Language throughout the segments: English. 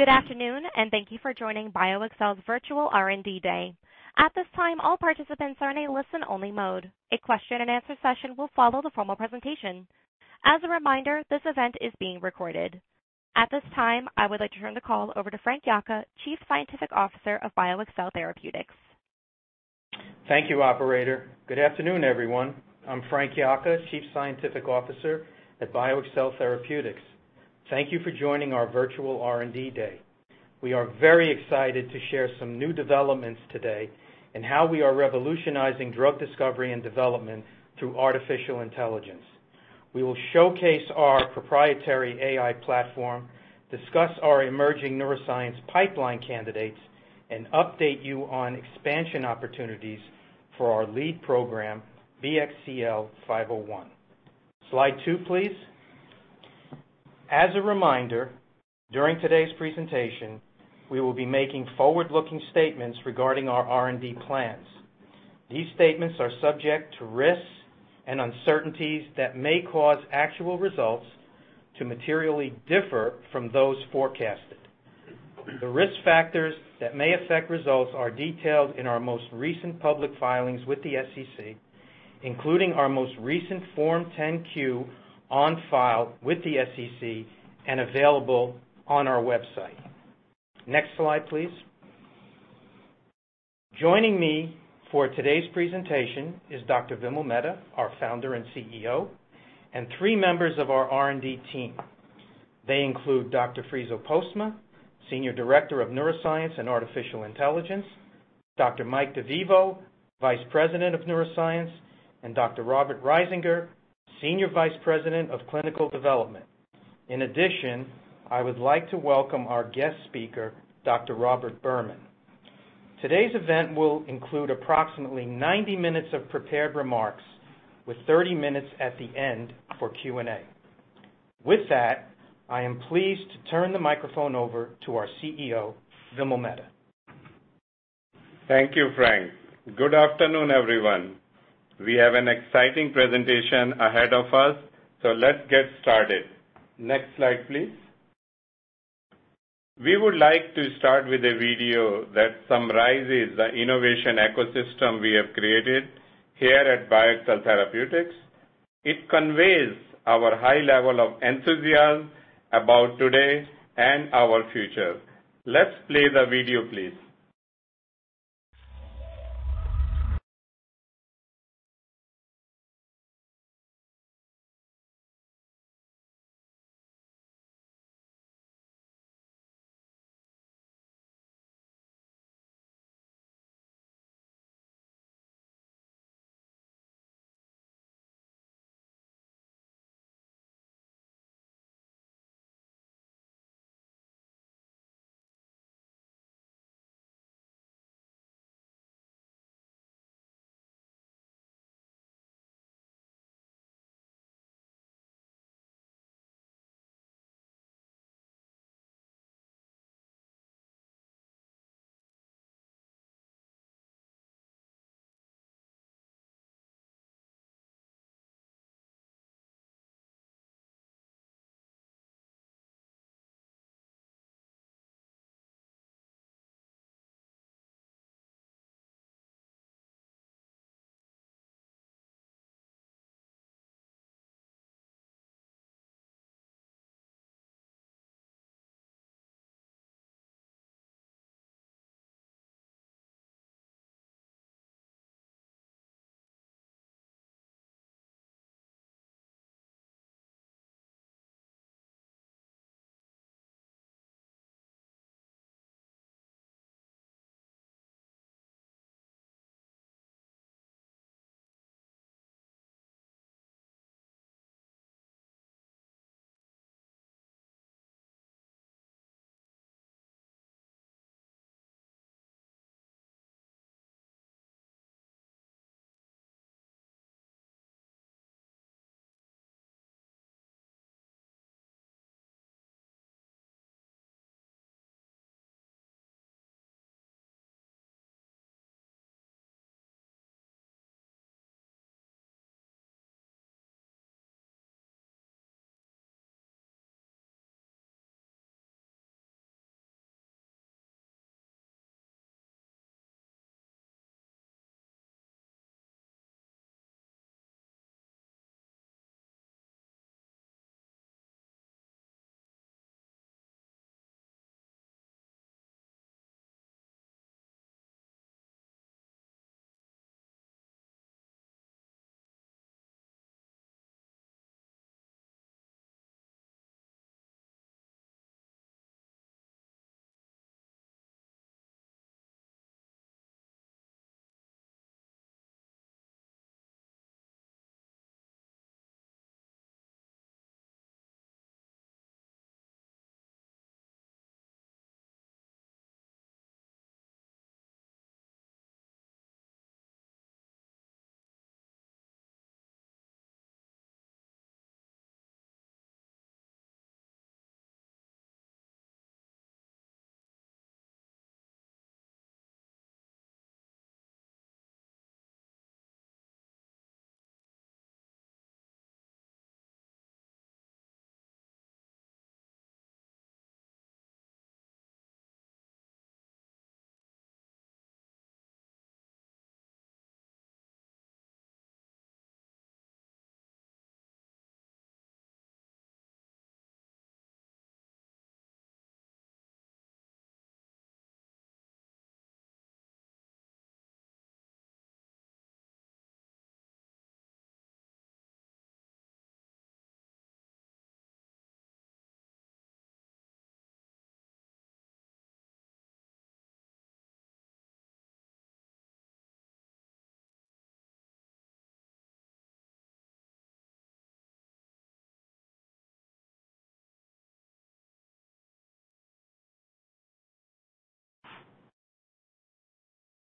Good afternoon, and thank you for joining BioXcel's Virtual R&D Day. At this time, all participants are in a listen-only mode. A question and answer session will follow the formal presentation. As a reminder, this event is being recorded. At this time, I would like to turn the call over to Frank Yocca, Chief Scientific Officer of BioXcel Therapeutics. Thank you, operator. Good afternoon, everyone. I'm Frank Yocca, Chief Scientific Officer at BioXcel Therapeutics. Thank you for joining our Virtual R&D Day. We are very excited to share some new developments today in how we are revolutionizing drug discovery and development through artificial intelligence. We will showcase our proprietary AI platform, discuss our emerging neuroscience pipeline candidates, and update you on expansion opportunities for our lead program, BXCL501. Slide two, please. As a reminder, during today's presentation, we will be making forward-looking statements regarding our R&D plans. These statements are subject to risks and uncertainties that may cause actual results to materially differ from those forecasted. The risk factors that may affect results are detailed in our most recent public filings with the SEC, including our most recent Form 10-Q on file with the SEC and available on our website. Next slide, please. Joining me for today's presentation is Dr. Vimal Mehta, our Founder and CEO, and three members of our R&D team. They include Dr. Friso Postma, Senior Director of Neuroscience and Artificial Intelligence, Dr. Michael DeVivo, Vice President of Neuroscience, and Dr. Robert Risinger, Senior Vice President of Clinical Development. In addition, I would like to welcome our guest speaker, Dr. Robert Berman. Today's event will include approximately 90 minutes of prepared remarks, with 30 minutes at the end for Q&A. With that, I am pleased to turn the microphone over to our CEO, Vimal Mehta. Thank you, Frank. Good afternoon, everyone. We have an exciting presentation ahead of us, so let's get started. Next slide, please. We would like to start with a video that summarizes the innovation ecosystem we have created here at BioXcel Therapeutics. It conveys our high level of enthusiasm about today and our future. Let's play the video, please.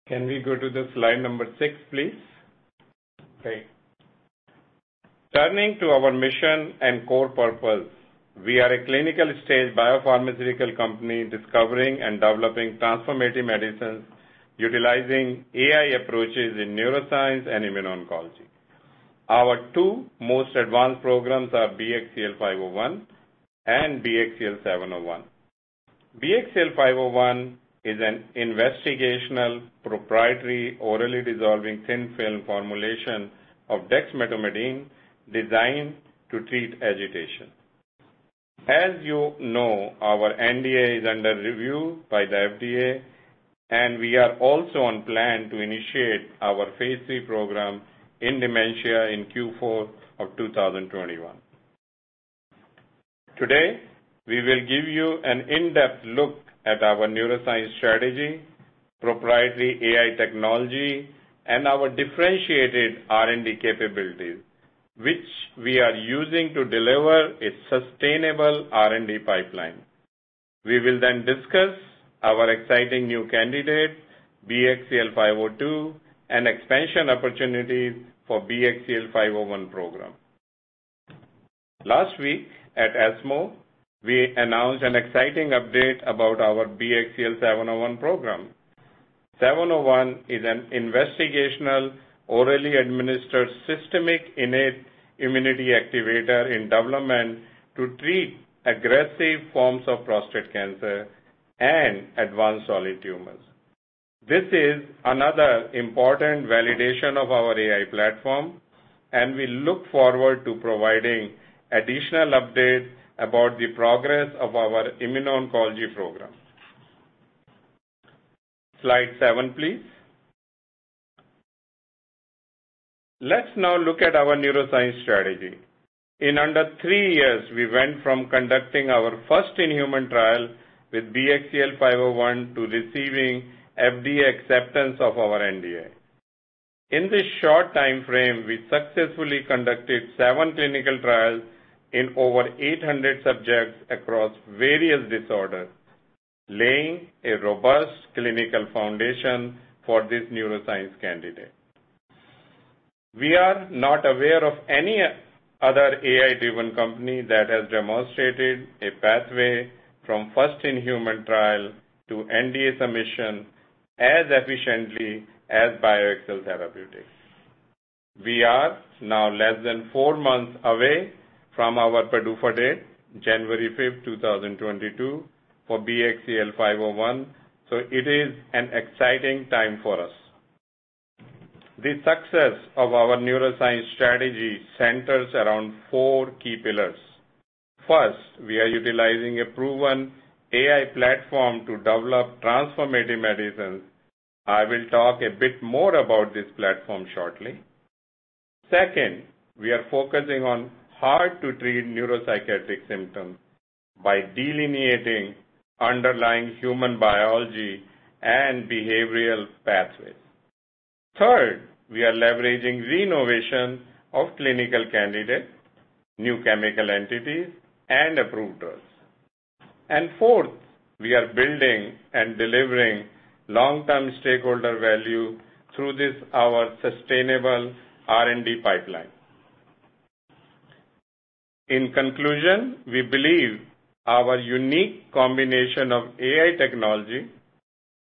Can we go to the slide number ,six please? Great. Turning to our mission and core purpose. We are a clinical-stage biopharmaceutical company discovering and developing transformative medicines utilizing AI approaches in neuroscience and immuno-oncology. Our two most advanced programs are BXCL501 and BXCL701. BXCL501 is an investigational proprietary orally dissolving thin film formulation of dexmedetomidine designed to treat agitation. As you know, our NDA is under review by the FDA, and we are also on plan to initiate our Phase III program in dementia in Q4 of 2021. Today, we will give you an in-depth look at our neuroscience strategy, proprietary AI technology, and our differentiated R&D capabilities, which we are using to deliver a sustainable R&D pipeline. We will discuss our exciting new candidate, BXCL502, and expansion opportunities for BXCL501 program. Last week at ESMO, we announced an exciting update about our BXCL701 program. 701 is an investigational orally administered systemic innate immunity activator in development to treat aggressive forms of prostate cancer and advanced solid tumors. This is another important validation of our AI platform, and we look forward to providing additional updates about the progress of our immuno-oncology program. Slide seven, please. Let's now look at our neuroscience strategy. In under three years, we went from conducting our first-in-human trial with BXCL501 to receiving FDA acceptance of our NDA. In this short timeframe, we successfully conducted seven clinical trials in over 800 subjects across various disorders, laying a robust clinical foundation for this neuroscience candidate. We are not aware of any other AI-driven company that has demonstrated a pathway from first-in-human trial to NDA submission as efficiently as BioXcel Therapeutics. We are now less than four months away from our PDUFA date, January 5th, 2022, for BXCL501. It is an exciting time for us. The success of our neuroscience strategy centers around four key pillars. First, we are utilizing a proven AI platform to develop transformative medicines. I will talk a bit more about this platform shortly. Second, we are focusing on hard-to-treat neuropsychiatric symptoms by delineating underlying human biology and behavioral pathways. Third, we are leveraging re-innovation of clinical candidates, new chemical entities, and approved drugs. Fourth, we are building and delivering long-term stakeholder value through this, our sustainable R&D pipeline. In conclusion, we believe our unique combination of AI technology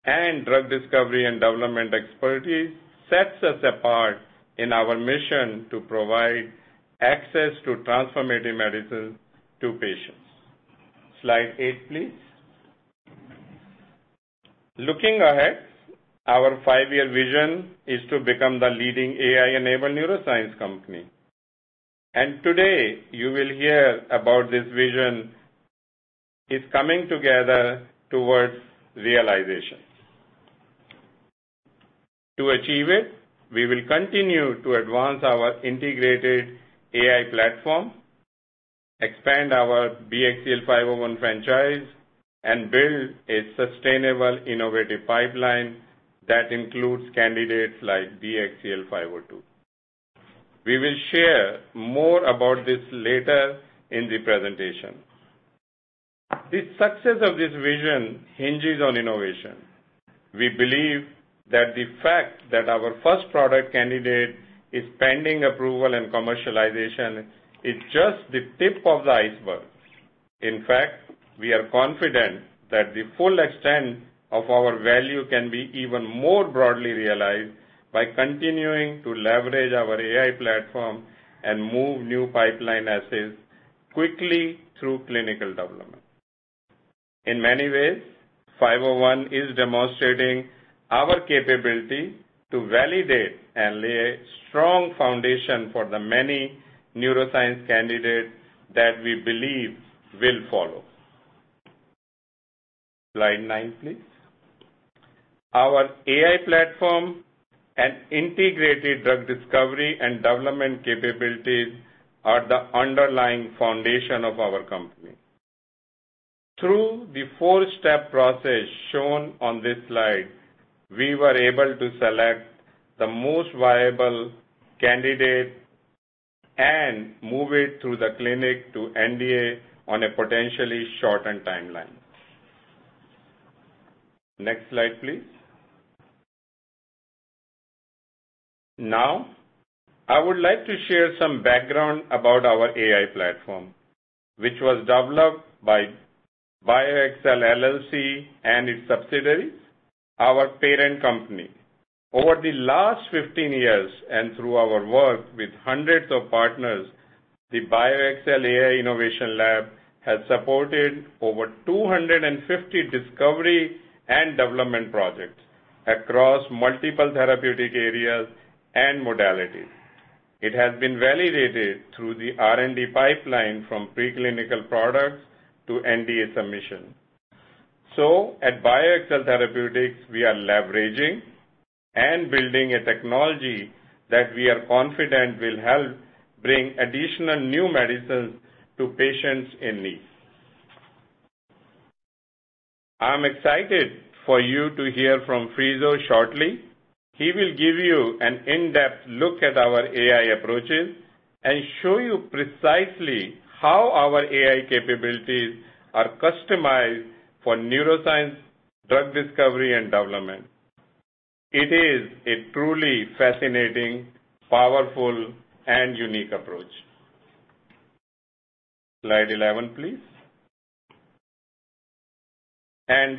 and drug discovery and development expertise sets us apart in our mission to provide access to transformative medicines to patients. Slide eight, please. Looking ahead, our five-year vision is to become the leading AI-enabled neuroscience company. Today, you will hear about this vision is coming together towards realization. To achieve it, we will continue to advance our integrated AI platform, expand our BXCL501 franchise, and build a sustainable, innovative pipeline that includes candidates like BXCL502. We will share more about this later in the presentation. The success of this vision hinges on innovation. We believe that the fact that our first product candidate is pending approval and commercialization is just the tip of the iceberg. In fact, we are confident that the full extent of our value can be even more broadly realized by continuing to leverage our AI platform and move new pipeline assets quickly through clinical development. In many ways, 501 is demonstrating our capability to validate and lay a strong foundation for the many neuroscience candidates that we believe will follow. Slide nine, please. Our AI platform and integrated drug discovery and development capabilities are the underlying foundation of our company. Through the four-step process shown on this slide, we were able to select the most viable candidate and move it through the clinic to NDA on a potentially shortened timeline. Next slide, please. I would like to share some background about our AI platform, which was developed by BioXcel LLC and its subsidiaries, our parent company. Over the last 15 years and through our work with hundreds of partners, the BioXcel AI Innovation Lab has supported over 250 discovery and development projects across multiple therapeutic areas and modalities. It has been validated through the R&D pipeline from preclinical products to NDA submission. At BioXcel Therapeutics, we are leveraging and building a technology that we are confident will help bring additional new medicines to patients in need. I'm excited for you to hear from Friso shortly. He will give you an in-depth look at our AI approaches and show you precisely how our AI capabilities are customized for neuroscience, drug discovery, and development. It is a truly fascinating, powerful, and unique approach. Slide 11, please.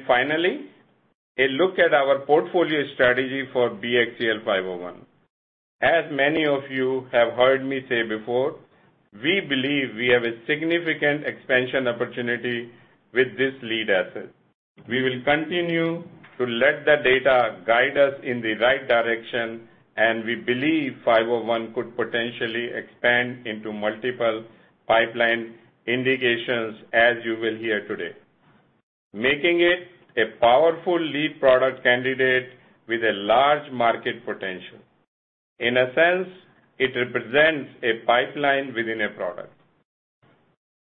Finally, a look at our portfolio strategy for BXCL501. As many of you have heard me say before, we believe we have a significant expansion opportunity with this lead asset. We will continue to let the data guide us in the right direction, and we believe 501 could potentially expand into multiple pipeline indications, as you will hear today, making it a powerful lead product candidate with a large market potential. In a sense, it represents a pipeline within a product.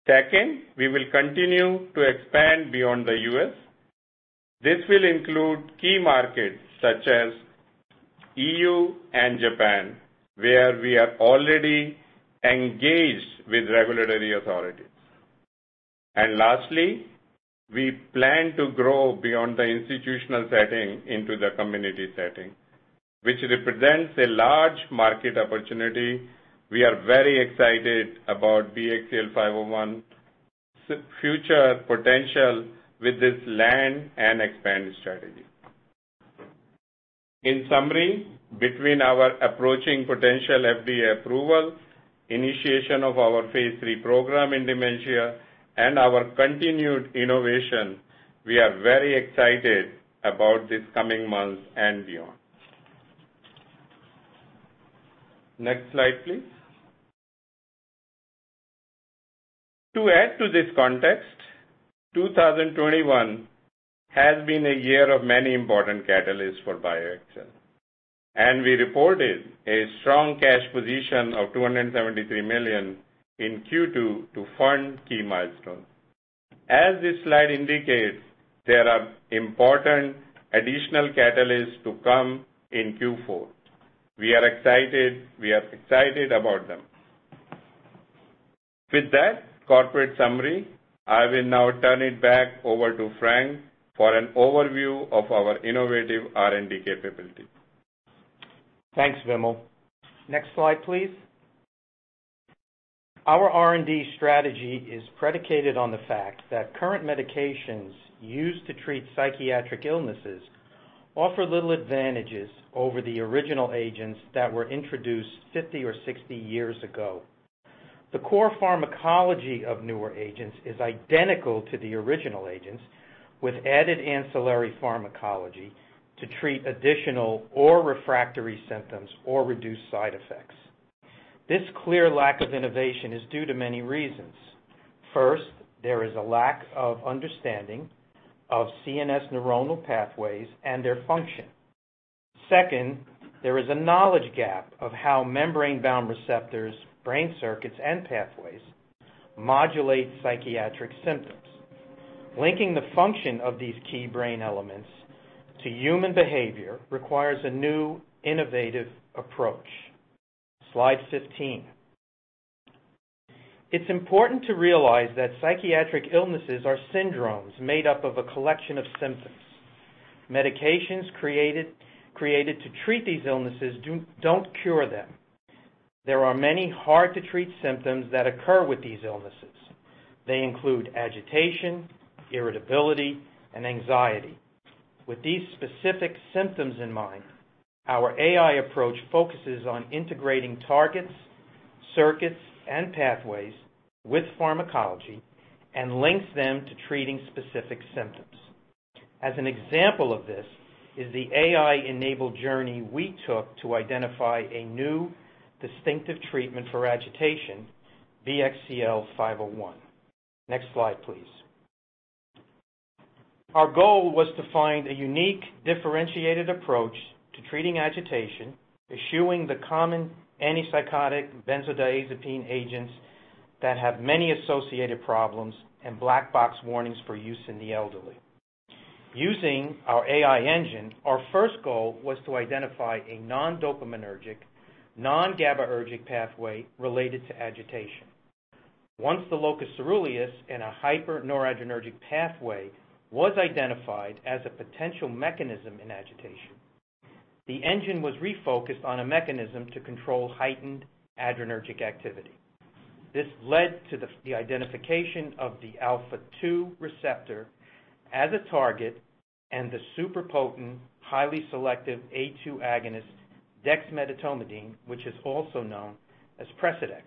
Second, we will continue to expand beyond the U.S. This will include key markets such as EU and Japan, where we are already engaged with regulatory authorities. Lastly, we plan to grow beyond the institutional setting into the community setting, which represents a large market opportunity. We are very excited about BXCL501's future potential with this land and expand strategy. In summary, between our approaching potential FDA approval, initiation of our phase III program in dementia, and our continued innovation, we are very excited about these coming months and beyond. Next slide, please. To add to this context, 2021 has been a year of many important catalysts for BioXcel, and we reported a strong cash position of $273 million in Q2 to fund key milestones. As this slide indicates, there are important additional catalysts to come in Q4. We are excited about them. With that corporate summary, I will now turn it back over to Frank for an overview of our innovative R&D capability. Thanks, Vimal. Next slide, please. Our R&D strategy is predicated on the fact that current medications used to treat psychiatric illnesses offer little advantages over the original agents that were introduced 50 or 60 years ago. The core pharmacology of newer agents is identical to the original agents, with added ancillary pharmacology to treat additional or refractory symptoms or reduce side effects. This clear lack of innovation is due to many reasons. First, there is a lack of understanding of CNS neuronal pathways and their function. Second, there is a knowledge gap of how membrane-bound receptors, brain circuits, and pathways modulate psychiatric symptoms. Linking the function of these key brain elements to human behavior requires a new, innovative approach. Slide 15. It is important to realize that psychiatric illnesses are syndromes made up of a collection of symptoms. Medications created to treat these illnesses don't cure them. There are many hard-to-treat symptoms that occur with these illnesses. They include agitation, irritability, and anxiety. With these specific symptoms in mind, our AI approach focuses on integrating targets, circuits, and pathways with pharmacology and links them to treating specific symptoms. As an example of this is the AI-enabled journey we took to identify a new distinctive treatment for agitation, BXCL501. Next slide, please. Our goal was to find a unique, differentiated approach to treating agitation, eschewing the common antipsychotic benzodiazepine agents that have many associated problems and black box warnings for use in the elderly. Using our AI engine, our first goal was to identify a non-dopaminergic, non-GABAergic pathway related to agitation. Once the locus coeruleus and a hyper noradrenergic pathway was identified as a potential mechanism in agitation, the engine was refocused on a mechanism to control heightened adrenergic activity. This led to the identification of the alpha-2 receptor as a target and the super potent, highly selective A2 agonist, dexmedetomidine, which is also known as Precedex.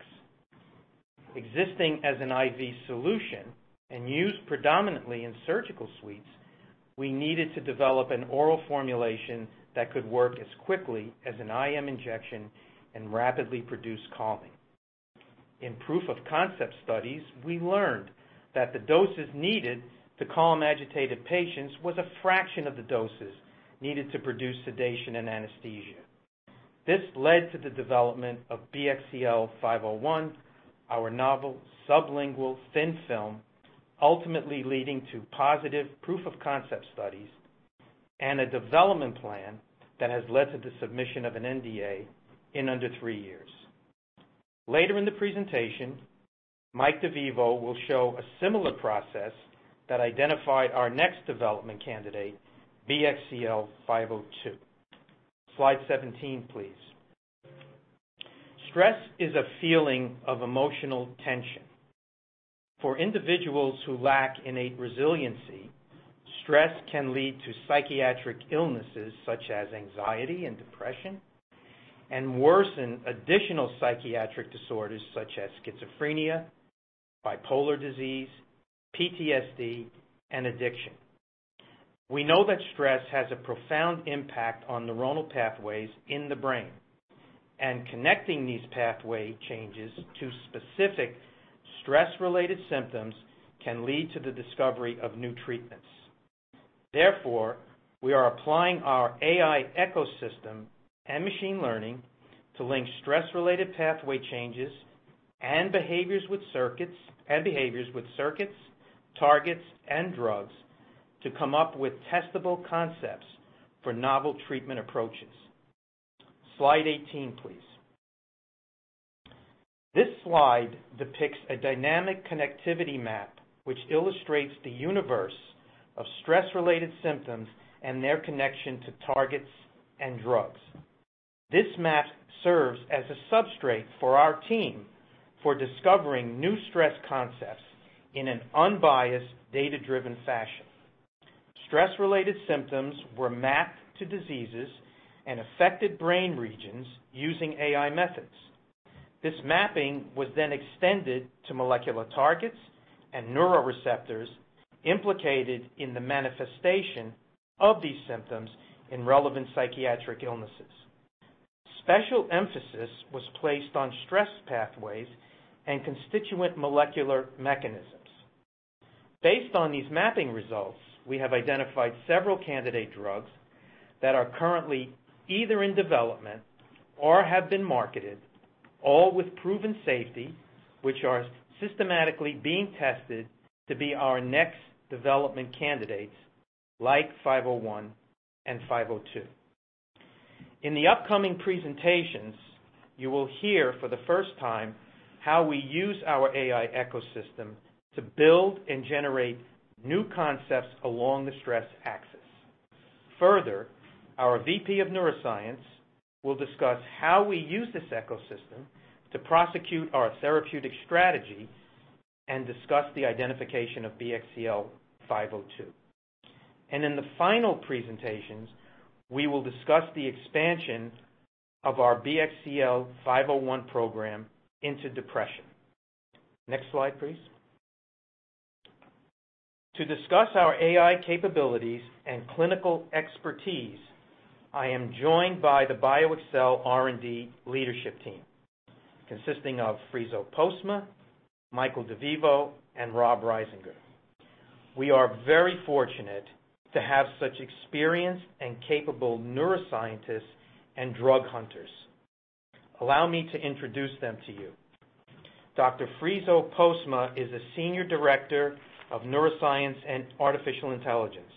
Existing as an IV solution and used predominantly in surgical suites, we needed to develop an oral formulation that could work as quickly as an IM injection and rapidly produce calming. In proof of concept studies, we learned that the doses needed to calm agitated patients was a fraction of the doses needed to produce sedation and anesthesia. This led to the development of BXCL501, our novel sublingual thin film, ultimately leading to positive proof of concept studies and a development plan that has led to the submission of an NDA in under three years. Later in the presentation, Michael DeVivo will show a similar process that identified our next development candidate, BXCL502. Slide 17, please. Stress is a feeling of emotional tension. For individuals who lack innate resiliency, stress can lead to psychiatric illnesses such as anxiety and depression, and worsen additional psychiatric disorders such as schizophrenia, bipolar disease, PTSD, and addiction. We know that stress has a profound impact on neuronal pathways in the brain, and connecting these pathway changes to specific stress-related symptoms can lead to the discovery of new treatments. Therefore, we are applying our AI ecosystem and machine learning to link stress-related pathway changes and behaviors with circuits, targets, and drugs to come up with testable concepts for novel treatment approaches. Slide 18, please. This slide depicts a dynamic connectivity map, which illustrates the universe of stress-related symptoms and their connection to targets and drugs. This map serves as a substrate for our team for discovering new stress concepts in an unbiased, data-driven fashion. Stress-related symptoms were mapped to diseases and affected brain regions using AI methods. This mapping was then extended to molecular targets and neuroreceptors implicated in the manifestation of these symptoms in relevant psychiatric illnesses. Special emphasis was placed on stress pathways and constituent molecular mechanisms. Based on these mapping results, we have identified several candidate drugs that are currently either in development or have been marketed, all with proven safety, which are systematically being tested to be our next development candidates like BXCL501 and BXCL502. In the upcoming presentations, you will hear for the first time how we use our AI ecosystem to build and generate new concepts along the stress axis. Our VP of neuroscience will discuss how we use this ecosystem to prosecute our therapeutic strategy and discuss the identification of BXCL502. In the final presentations, we will discuss the expansion of our BXCL501 program into depression. Next slide, please. To discuss our AI capabilities and clinical expertise, I am joined by the BioXcel R&D leadership team, consisting of Friso Postma, Michael DeVivo, and Rob Risinger. We are very fortunate to have such experienced and capable neuroscientists and drug hunters. Allow me to introduce them to you. Dr. Friso Postma is a senior director of neuroscience and artificial intelligence.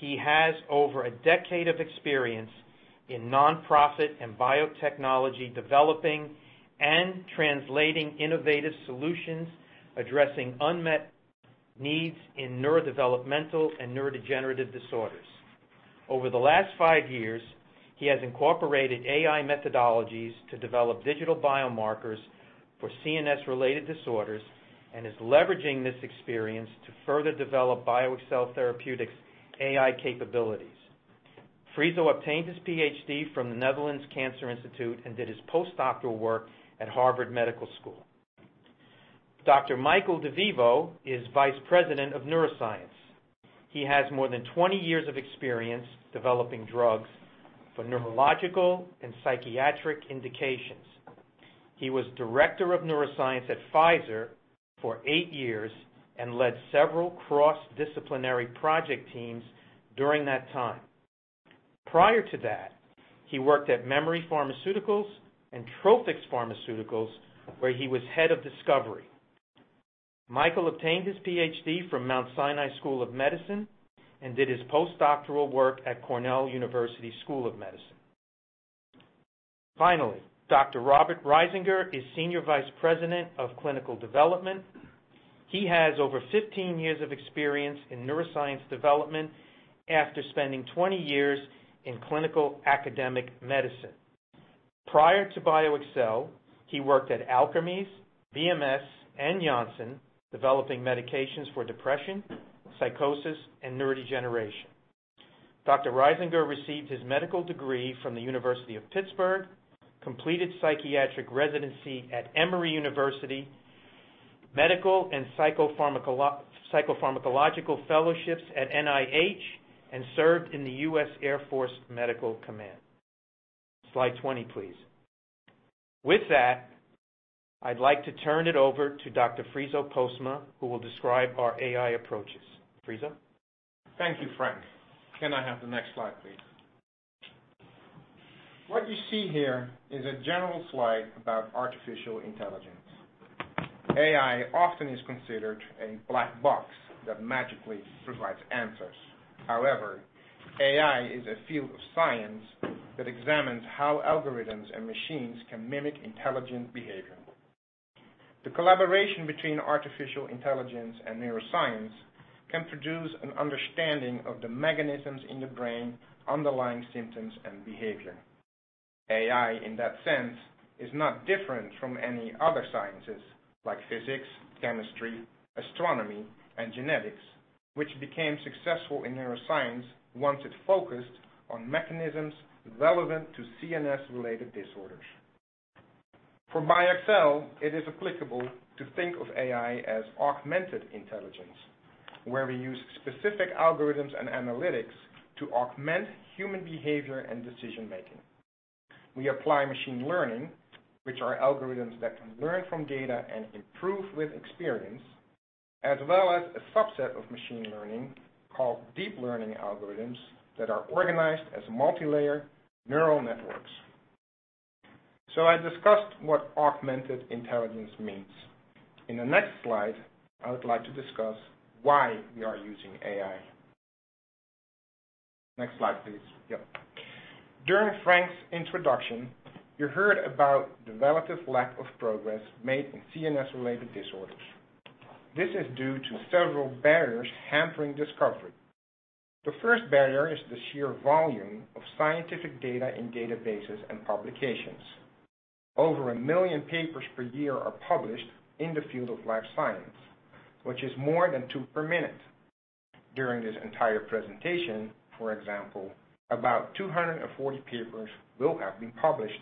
He has over a decade of experience in non-profit and biotechnology, developing and translating innovative solutions addressing unmet needs in neurodevelopmental and neurodegenerative disorders. Over the last five years, he has incorporated AI methodologies to develop digital biomarkers for CNS-related disorders and is leveraging this experience to further develop BioXcel Therapeutics' AI capabilities. Friso obtained his PhD from the Netherlands Cancer Institute and did his postdoctoral work at Harvard Medical School. Dr. Michael DeVivo is Vice President of Neuroscience. He has more than 20 years of experience developing drugs for neurological and psychiatric indications. He was director of neuroscience at Pfizer for eight years and led several cross-disciplinary project teams during that time. Prior to that, he worked at Memory Pharmaceuticals and Trovis Pharmaceuticals, where he was head of discovery. Michael obtained his PhD from Mount Sinai School of Medicine and did his postdoctoral work at Cornell University School of Medicine. Finally, Dr. Robert Risinger is senior vice president of clinical development. He has over 15 years of experience in neuroscience development after spending 20 years in clinical academic medicine. Prior to BioXcel, he worked at Alkermes, BMS, and Janssen, developing medications for depression, psychosis, and neurodegeneration. Dr. Risinger received his medical degree from the University of Pittsburgh, completed psychiatric residency at Emory University, medical and psychopharmacological fellowships at NIH, and served in the Air Force Medical Command. Slide 20, please. With that, I'd like to turn it over to Dr. Friso Postma, who will describe our AI approaches. Friso? Thank you, Frank. Can I have the next slide, please? What you see here is a general slide about artificial intelligence. AI often is considered a black box that magically provides answers. However, AI is a field of science that examines how algorithms and machines can mimic intelligent behavior. The collaboration between artificial intelligence and neuroscience can produce an understanding of the mechanisms in the brain underlying symptoms and behavior. AI, in that sense, is not different from any other sciences like physics, chemistry, astronomy, and genetics, which became successful in neuroscience once it focused on mechanisms relevant to CNS-related disorders. For BioXcel, it is applicable to think of AI as augmented intelligence, where we use specific algorithms and analytics to augment human behavior and decision-making. We apply machine learning, which are algorithms that can learn from data and improve with experience, as well as a subset of machine learning called deep learning algorithms that are organized as multilayer neural networks. I discussed what augmented intelligence means. In the next slide, I would like to discuss why we are using AI. Next slide, please. Yep. During Frank's introduction, you heard about the relative lack of progress made in CNS-related disorders. This is due to several barriers hampering discovery. The first barrier is the sheer volume of scientific data in databases and publications. Over 1 million papers per year are published in the field of life science, which is more than two per minute. During this entire presentation, for example, about 240 papers will have been published.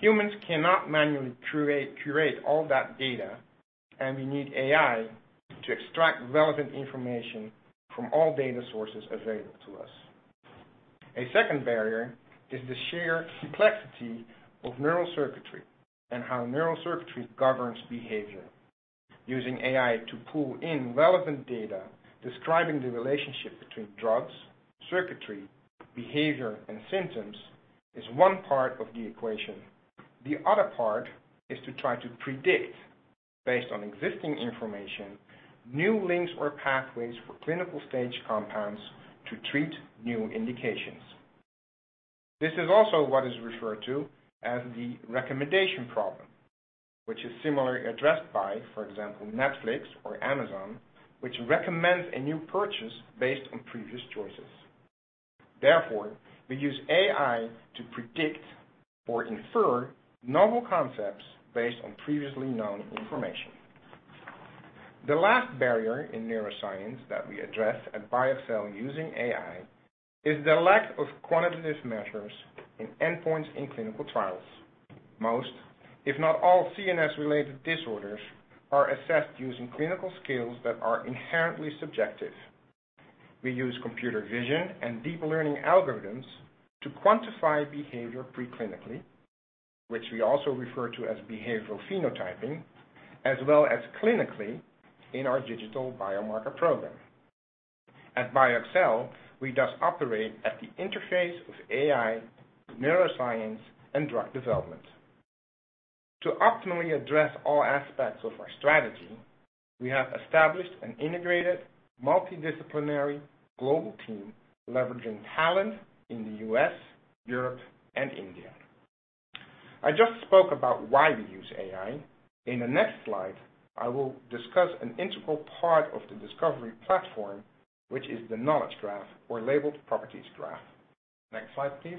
Humans cannot manually curate all that data, and we need AI to extract relevant information from all data sources available to us. A second barrier is the sheer complexity of neural circuitry and how neural circuitry governs behavior. Using AI to pull in relevant data describing the relationship between drugs, circuitry, behavior, and symptoms is one part of the equation. The other part is to try to predict, based on existing information, new links or pathways for clinical stage compounds to treat new indications. This is also what is referred to as the recommendation problem, which is similarly addressed by, for example, Netflix or Amazon, which recommends a new purchase based on previous choices. We use AI to predict or infer novel concepts based on previously known information. The last barrier in neuroscience that we address at BioXcel using AI is the lack of quantitative measures in endpoints in clinical trials. Most, if not all, CNS-related disorders are assessed using clinical skills that are inherently subjective. We use computer vision and deep learning algorithms to quantify behavior preclinically, which we also refer to as behavioral phenotyping, as well as clinically in our digital biomarker program. At BioXcel, we thus operate at the interface of AI, neuroscience, and drug development. To optimally address all aspects of our strategy, we have established an integrated, multidisciplinary global team leveraging talent in the U.S., Europe, and India. I just spoke about why we use AI. In the next slide, I will discuss an integral part of the discovery platform, which is the knowledge graph or labeled properties graph. Next slide, please.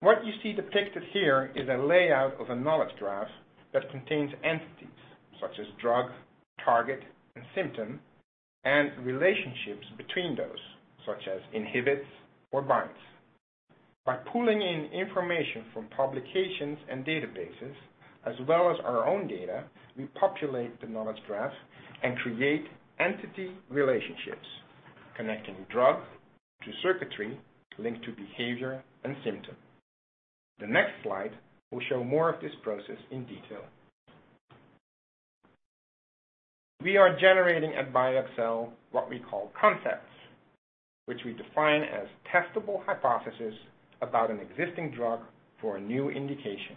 What you see depicted here is a layout of a knowledge graph that contains entities, such as drug, target, and symptom, and relationships between those, such as inhibits or binds. By pulling in information from publications and databases, as well as our own data, we populate the knowledge graph and create entity relationships connecting drug to circuitry linked to behavior and symptom. The next slide will show more of this process in detail. We are generating at BioXcel what we call concepts, which we define as testable hypothesis about an existing drug for a new indication.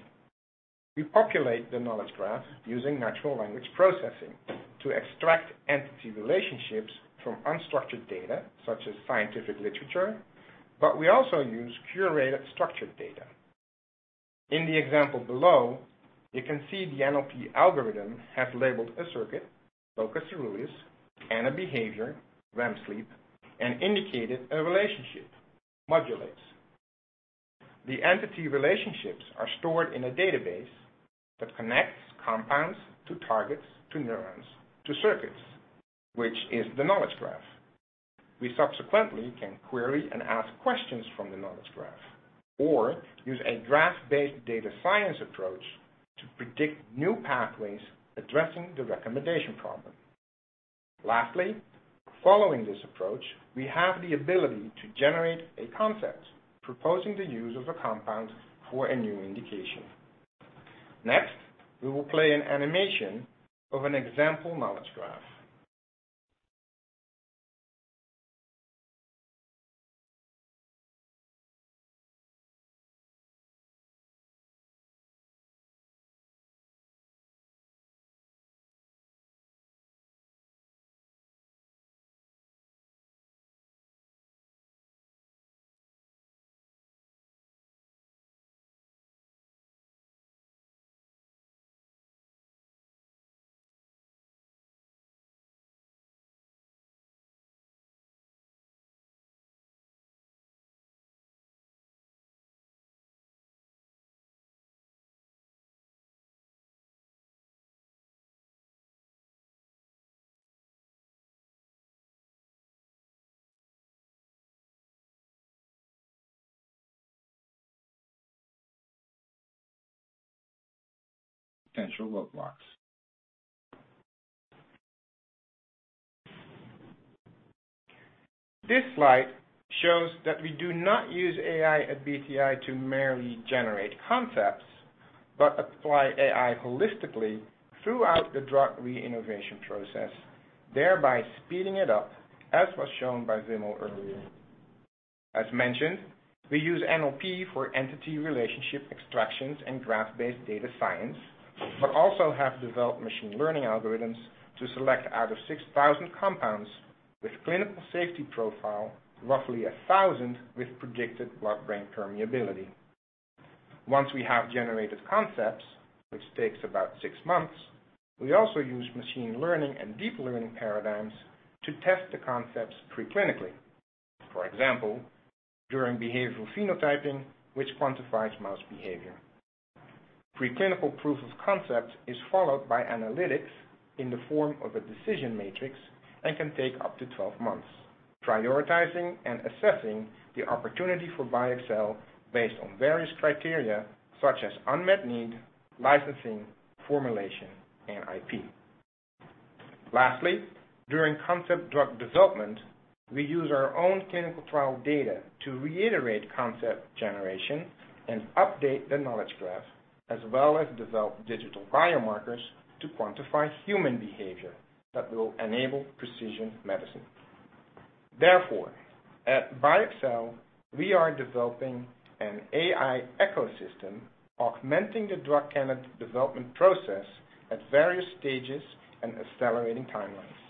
We populate the knowledge graph using natural language processing to extract entity relationships from unstructured data such as scientific literature, but we also use curated structured data. In the example below, you can see the NLP algorithm has labeled a circuit, locus coeruleus, and a behavior, REM sleep, and indicated a relationship, modulates. The entity relationships are stored in a database that connects compounds to targets, to neurons, to circuits, which is the knowledge graph. We subsequently can query and ask questions from the knowledge graph or use a graph-based data science approach to predict new pathways addressing the recommendation problem. Lastly, following this approach, we have the ability to generate a concept proposing the use of a compound for a new indication. Next, we will play an animation of an example knowledge graph. Potential roadblocks. This slide shows that we do not use AI at BTI to merely generate concepts, but apply AI holistically throughout the drug re-innovation process, thereby speeding it up, as was shown by Vimal earlier. As mentioned, we use NLP for entity relationship extractions and graph-based data science, but also have developed machine learning algorithms to select out of 6,000 compounds with clinical safety profile, roughly 1,000 with predicted blood-brain permeability. Once we have generated concepts, which takes about six months, we also use machine learning and deep learning paradigms to test the concepts preclinically. For example, during behavioral phenotyping, which quantifies mouse behavior. Preclinical proof of concept is followed by analytics in the form of a decision matrix and can take up to 12 months, prioritizing and assessing the opportunity for BioXcel based on various criteria such as unmet need, licensing, formulation, and IP. Lastly, during concept drug development, we use our own clinical trial data to reiterate concept generation and update the knowledge graph, as well as develop digital biomarkers to quantify human behavior that will enable precision medicine. Therefore, at BioXcel, we are developing an AI ecosystem, augmenting the drug candidate development process at various stages and accelerating timelines.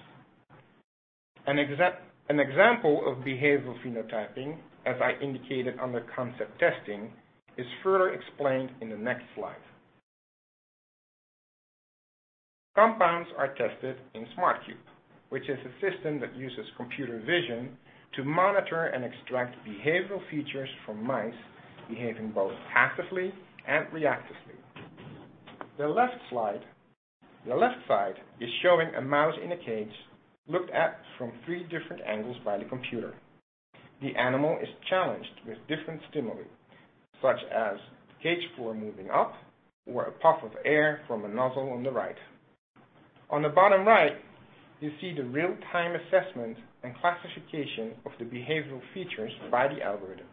An example of behavioral phenotyping, as I indicated under concept testing, is further explained in the next slide. Compounds are tested in SmartCube, which is a system that uses computer vision to monitor and extract behavioral features from mice behaving both actively and reactively. The left side is showing a mouse in a cage looked at from three different angles by the computer. The animal is challenged with different stimuli, such as cage floor moving up or a puff of air from a nozzle on the right. On the bottom right, you see the real-time assessment and classification of the behavioral features by the algorithms.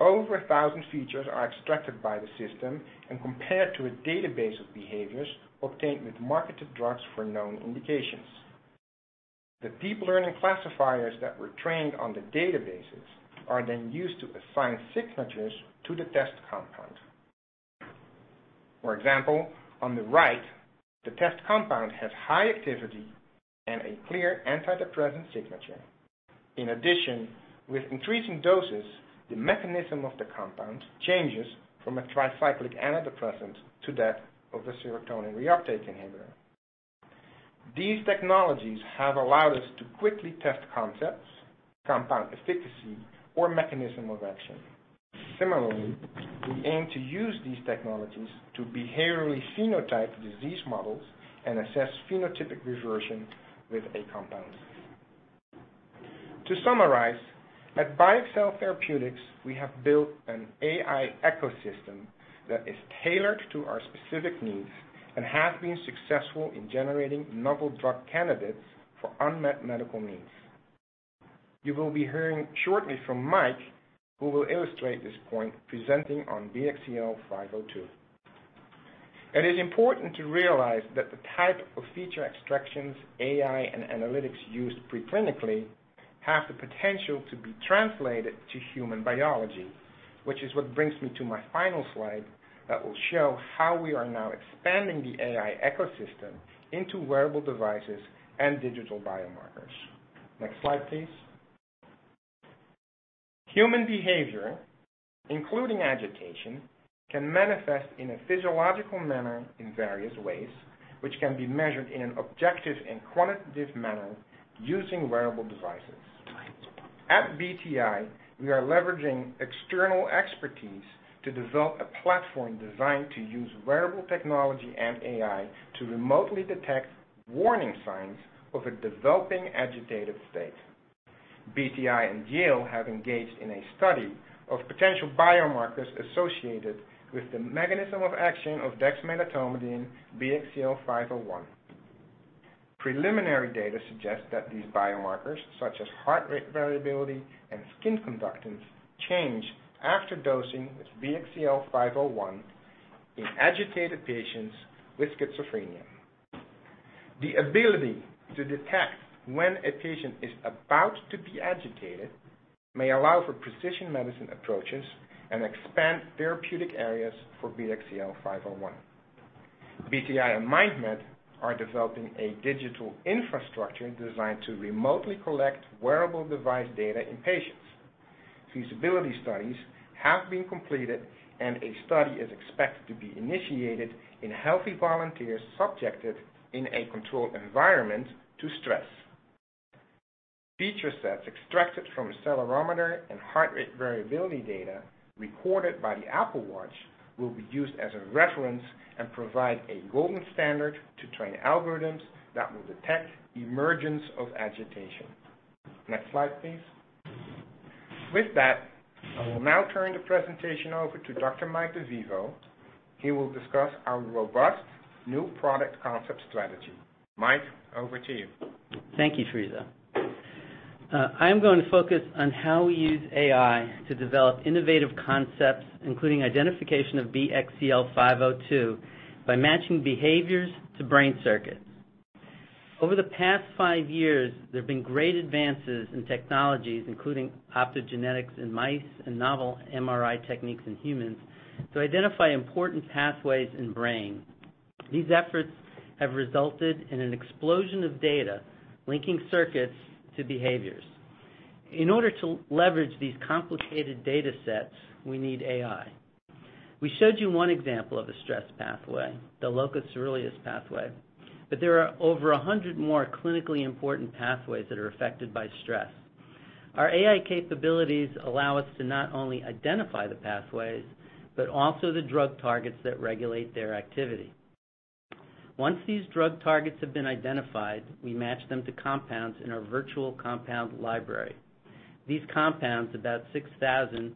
Over 1,000 features are extracted by the system and compared to a database of behaviors obtained with marketed drugs for known indications. The deep learning classifiers that were trained on the databases are then used to assign signatures to the test compound. For example, on the right, the test compound has high activity and a clear antidepressant signature. In addition, with increasing doses, the mechanism of the compound changes from a tricyclic antidepressant to that of a serotonin reuptake inhibitor. These technologies have allowed us to quickly test concepts, compound efficacy, or mechanism of action. Similarly, we aim to use these technologies to behaviorally phenotype disease models and assess phenotypic reversion with a compound. To summarize, at BioXcel Therapeutics, we have built an AI ecosystem that is tailored to our specific needs and has been successful in generating novel drug candidates for unmet medical needs. You will be hearing shortly from Mike, who will illustrate this point presenting on BXCL502. It is important to realize that the type of feature extractions, AI, and analytics used preclinically have the potential to be translated to human biology. Which is what brings me to my final slide that will show how we are now expanding the AI ecosystem into wearable devices and digital biomarkers. Next slide, please. Human behavior, including agitation, can manifest in a physiological manner in various ways, which can be measured in an objective and quantitative manner using wearable devices. At BTI, we are leveraging external expertise to develop a platform designed to use wearable technology and AI to remotely detect warning signs of a developing agitated state. BTI and Yale have engaged in a study of potential biomarkers associated with the mechanism of action of dexmedetomidine, BXCL501. Preliminary data suggests that these biomarkers, such as heart rate variability and skin conductance, change after dosing with BXCL501 in agitated patients with schizophrenia. The ability to detect when a patient is about to be agitated may allow for precision medicine approaches and expand therapeutic areas for BXCL501. BTI and MindMed are developing a digital infrastructure designed to remotely collect wearable device data in patients. Feasibility studies have been completed, and a study is expected to be initiated in healthy volunteers subjected in a controlled environment to stress. Feature sets extracted from accelerometer and heart rate variability data recorded by the Apple Watch will be used as a reference and provide a golden standard to train algorithms that will detect emergence of agitation. Next slide, please. With that, I will now turn the presentation over to Dr. Michael DeVivo. He will discuss our robust new product concept strategy. Mike, over to you. Thank you, Friso Postma. I am going to focus on how we use AI to develop innovative concepts, including identification of BXCL502, by matching behaviors to brain circuits. Over the past five years, there have been great advances in technologies, including optogenetics in mice and novel MRI techniques in humans, to identify important pathways in brain. These efforts have resulted in an explosion of data linking circuits to behaviors. In order to leverage these complicated data sets, we need AI. We showed you one example of a stress pathway, the locus coeruleus pathway, but there are over 100 more clinically important pathways that are affected by stress. Our AI capabilities allow us to not only identify the pathways but also the drug targets that regulate their activity. Once these drug targets have been identified, we match them to compounds in our virtual compound library. These compounds, about 6,000,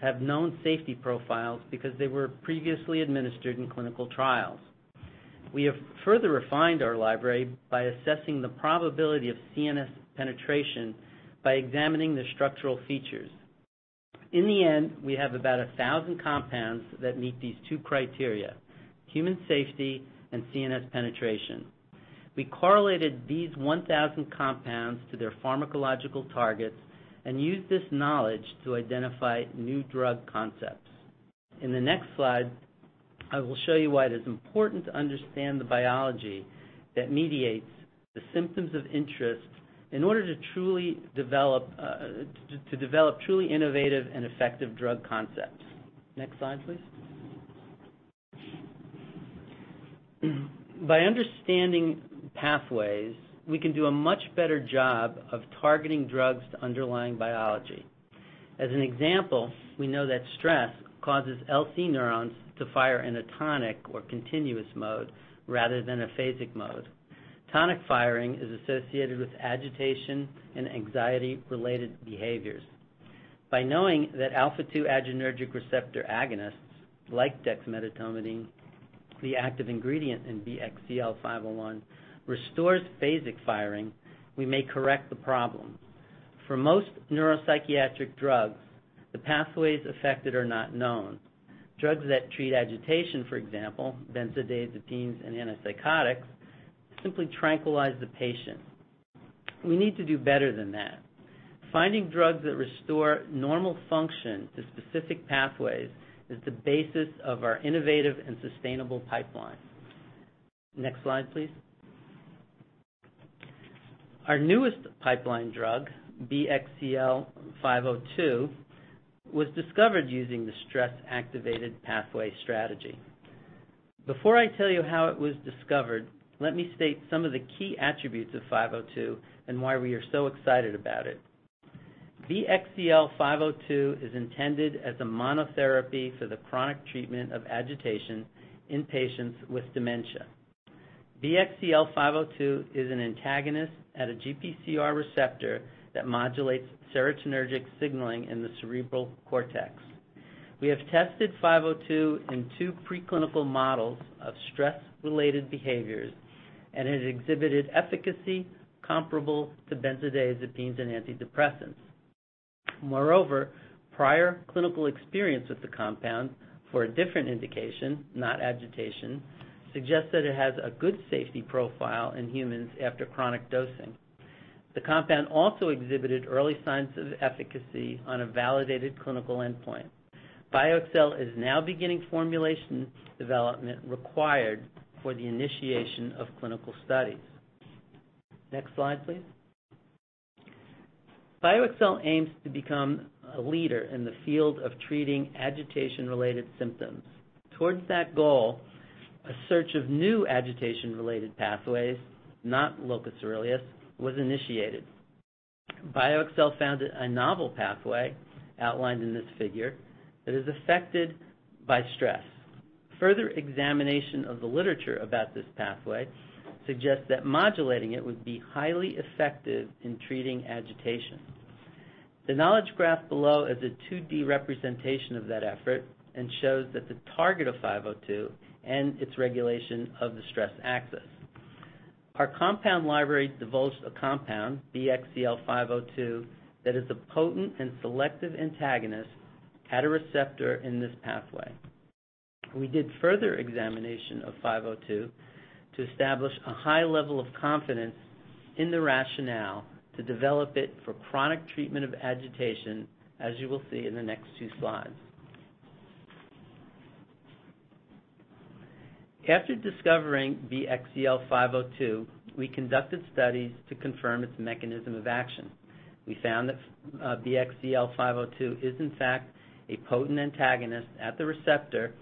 have known safety profiles because they were previously administered in clinical trials. We have further refined our library by assessing the probability of CNS penetration by examining the structural features. In the end, we have about 1,000 compounds that meet these two criteria, human safety and CNS penetration. We correlated these 1,000 compounds to their pharmacological targets and used this knowledge to identify new drug concepts. In the next slide, I will show you why it is important to understand the biology that mediates the symptoms of interest in order to develop truly innovative and effective drug concepts. Next slide, please. By understanding pathways, we can do a much better job of targeting drugs to underlying biology. As an example, we know that stress causes LC neurons to fire in a tonic or continuous mode rather than a phasic mode. Tonic firing is associated with agitation and anxiety-related behaviors. By knowing that alpha-2 adrenergic receptor agonists like dexmedetomidine, the active ingredient in BXCL501, restores phasic firing, we may correct the problem. For most neuropsychiatric drugs, the pathways affected are not known. Drugs that treat agitation, for example, benzodiazepines and antipsychotics, simply tranquilize the patient. We need to do better than that. Finding drugs that restore normal function to specific pathways is the basis of our innovative and sustainable pipeline. Next slide, please. Our newest pipeline drug, BXCL502, was discovered using the stress-activated pathway strategy. Before I tell you how it was discovered, let me state some of the key attributes of 502 and why we are so excited about it. BXCL502 is intended as a monotherapy for the chronic treatment of agitation in patients with dementia. BXCL502 is an antagonist at a GPCR receptor that modulates serotonergic signaling in the cerebral cortex. We have tested 502 in two preclinical models of stress-related behaviors and it exhibited efficacy comparable to benzodiazepines and antidepressants. Prior clinical experience with the compound for a different indication, not agitation, suggests that it has a good safety profile in humans after chronic dosing. The compound also exhibited early signs of efficacy on a validated clinical endpoint. BioXcel is now beginning formulation development required for the initiation of clinical studies. Next slide, please. BioXcel aims to become a leader in the field of treating agitation-related symptoms. Towards that goal, a search of new agitation-related pathways, not locus coeruleus, was initiated. BioXcel found a novel pathway outlined in this figure that is affected by stress. Further examination of the literature about this pathway suggests that modulating it would be highly effective in treating agitation. The knowledge graph below is a 2D representation of that effort and shows that the target of 502 and its regulation of the stress axis. Our compound library divulged a compound, BXCL502, that is a potent and selective antagonist at a receptor in this pathway. We did further examination of 502 to establish a high level of confidence in the rationale to develop it for chronic treatment of agitation, as you will see in the next two slides. After discovering BXCL502, we conducted studies to confirm its mechanism of action. We found that BXCL502 is in fact a potent antagonist at the receptor,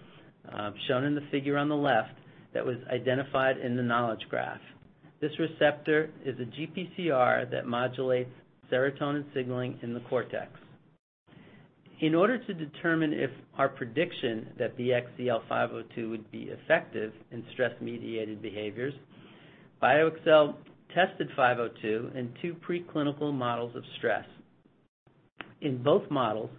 shown in the figure on the left, that was identified in the knowledge graph. This receptor is a GPCR that modulates serotonin signaling in the cortex. In order to determine if our prediction that BXCL502 would be effective in stress-mediated behaviors, BioXcel tested 502 in two preclinical models of stress. In both models,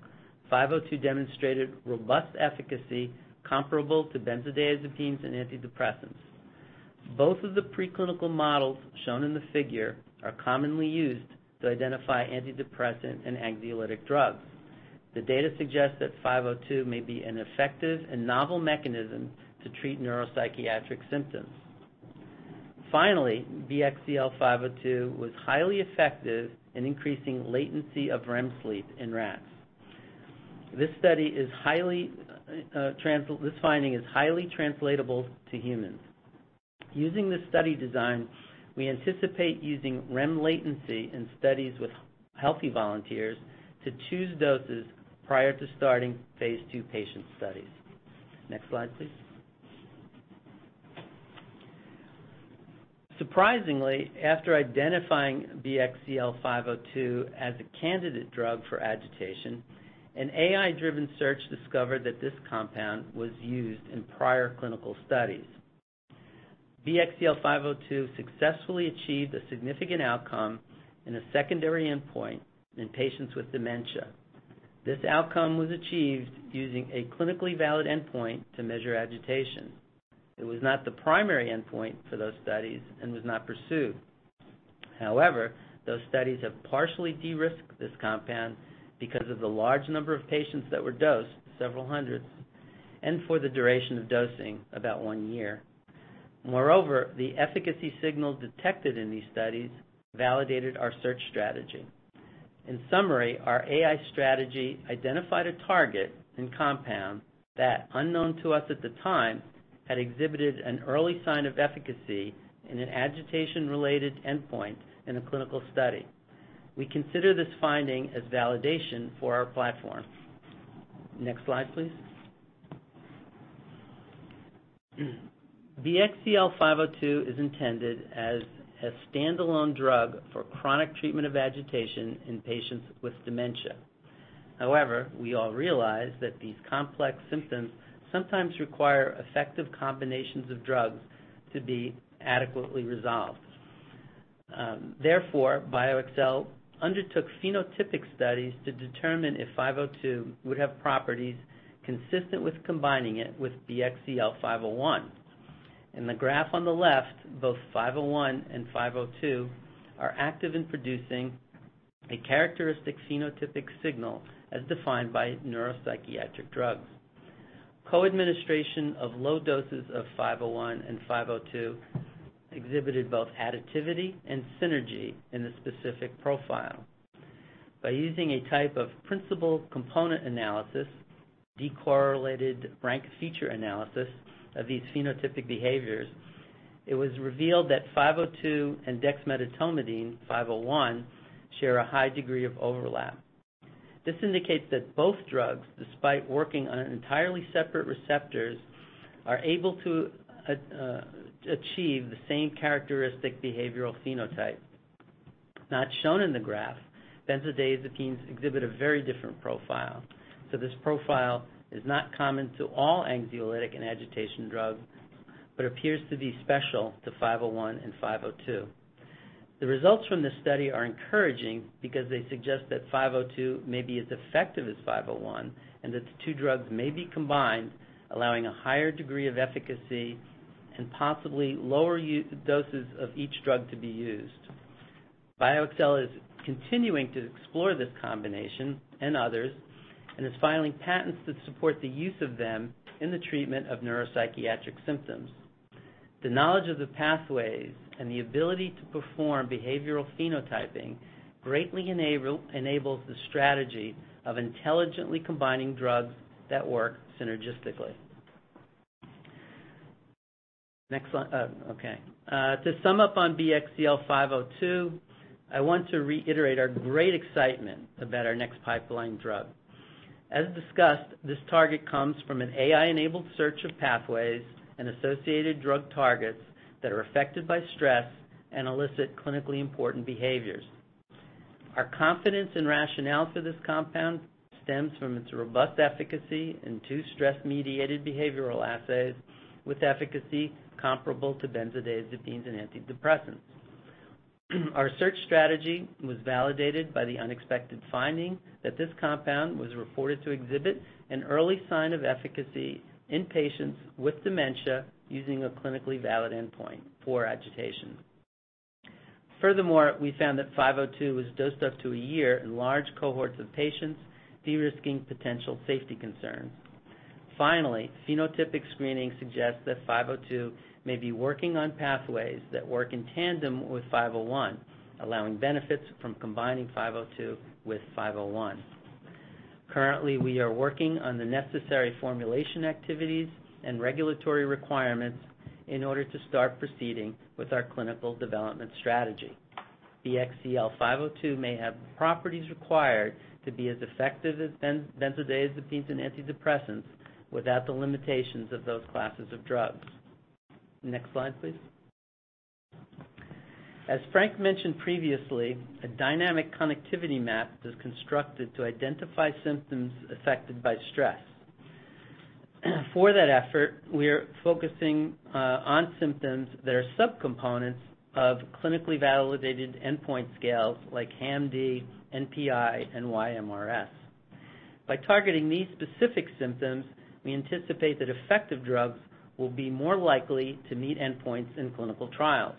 502 demonstrated robust efficacy comparable to benzodiazepines and antidepressants. Both of the preclinical models shown in the figure are commonly used to identify antidepressant and anxiolytic drugs. The data suggests that 502 may be an effective and novel mechanism to treat neuropsychiatric symptoms. Finally, BXCL502 was highly effective in increasing latency of REM sleep in rats. This finding is highly translatable to humans. Using this study design, we anticipate using REM latency in studies with healthy volunteers to choose doses prior to starting phase II patient studies. Next slide, please. Surprisingly, after identifying BXCL502 as a candidate drug for agitation, an AI-driven search discovered that this compound was used in prior clinical studies. BXCL502 successfully achieved a significant outcome in a secondary endpoint in patients with dementia. This outcome was achieved using a clinically valid endpoint to measure agitation. It was not the primary endpoint for those studies and was not pursued. However, those studies have partially de-risked this compound because of the large number of patients that were dosed, several hundreds, and for the duration of dosing, about one year. Moreover, the efficacy signals detected in these studies validated our search strategy. In summary, our AI strategy identified a target and compound that, unknown to us at the time, had exhibited an early sign of efficacy in an agitation-related endpoint in a clinical study. We consider this finding as validation for our platform. Next slide, please. BXCL502 is intended as a standalone drug for chronic treatment of agitation in patients with dementia. However, we all realize that these complex symptoms sometimes require effective combinations of drugs to be adequately resolved. Therefore, BioXcel undertook phenotypic studies to determine if 502 would have properties consistent with combining it with BXCL501. In the graph on the left, both 501 and 502 are active in producing a characteristic phenotypic signal as defined by neuropsychiatric drugs. Co-administration of low doses of 501 and 502 exhibited both additivity and synergy in the specific profile. By using a type of principal component analysis, decorrelated rank feature analysis of these phenotypic behaviors, it was revealed that 502 and dexmedetomidine, 501, share a high degree of overlap. This indicates that both drugs, despite working on entirely separate receptors, are able to achieve the same characteristic behavioral phenotype. Not shown in the graph, benzodiazepines exhibit a very different profile. This profile is not common to all anxiolytic and agitation drugs, but appears to be special to 501 and 502. The results from this study are encouraging because they suggest that 502 may be as effective as 501 and that the two drugs may be combined, allowing a higher degree of efficacy and possibly lower doses of each drug to be used. BioXcel is continuing to explore this combination, and others, and is filing patents that support the use of them in the treatment of neuropsychiatric symptoms. The knowledge of the pathways and the ability to perform behavioral phenotyping greatly enables the strategy of intelligently combining drugs that work synergistically. Next slide. Okay. To sum up on BXCL502, I want to reiterate our great excitement about our next pipeline drug. As discussed, this target comes from an AI-enabled search of pathways and associated drug targets that are affected by stress and elicit clinically important behaviors. Our confidence and rationale for this compound stems from its robust efficacy in two stress-mediated behavioral assays with efficacy comparable to benzodiazepines and antidepressants. Our search strategy was validated by the unexpected finding that this compound was reported to exhibit an early sign of efficacy in patients with dementia using a clinically valid endpoint for agitation. We found that 502 was dosed up to a year in large cohorts of patients, de-risking potential safety concerns. Phenotypic screening suggests that 502 may be working on pathways that work in tandem with 501, allowing benefits from combining 502 with 501. Currently, we are working on the necessary formulation activities and regulatory requirements in order to start proceeding with our clinical development strategy. BXCL502 may have properties required to be as effective as benzodiazepines and antidepressants without the limitations of those classes of drugs. Next slide, please. As Frank mentioned previously, a dynamic connectivity map was constructed to identify symptoms affected by stress. For that effort, we're focusing on symptoms that are subcomponents of clinically validated endpoint scales like HAM-D, NPI, and YMRS. By targeting these specific symptoms, we anticipate that effective drugs will be more likely to meet endpoints in clinical trials.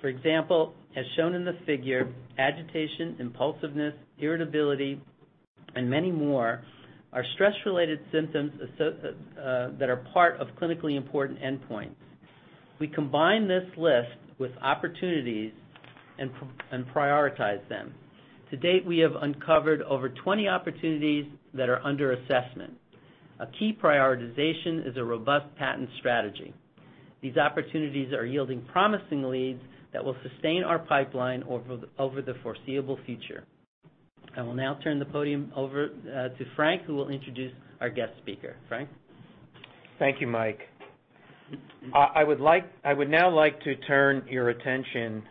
For example, as shown in the figure, agitation, impulsiveness, irritability, and many more are stress-related symptoms that are part of clinically important endpoints. We combine this list with opportunities and prioritize them. To date, we have uncovered over 20 opportunities that are under assessment. A key prioritization is a robust patent strategy. These opportunities are yielding promising leads that will sustain our pipeline over the foreseeable future. I will now turn the podium over to Frank, who will introduce our guest speaker. Frank? Thank you, Mike. I would now like to turn your attention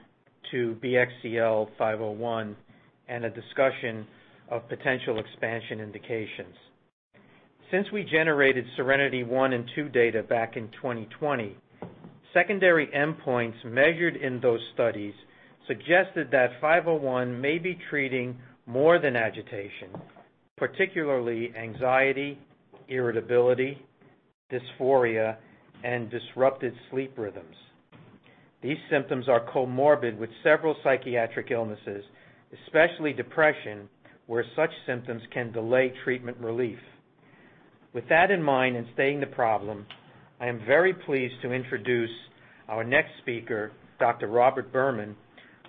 to BXCL501 and a discussion of potential expansion indications. Since we generated SERENITY I and II data back in 2020, secondary endpoints measured in those studies suggested that 501 may be treating more than agitation, particularly anxiety, irritability, dysphoria, and disrupted sleep rhythms. These symptoms are comorbid with several psychiatric illnesses, especially depression, where such symptoms can delay treatment relief. With that in mind in stating the problem, I am very pleased to introduce our next speaker, Dr. Robert Berman,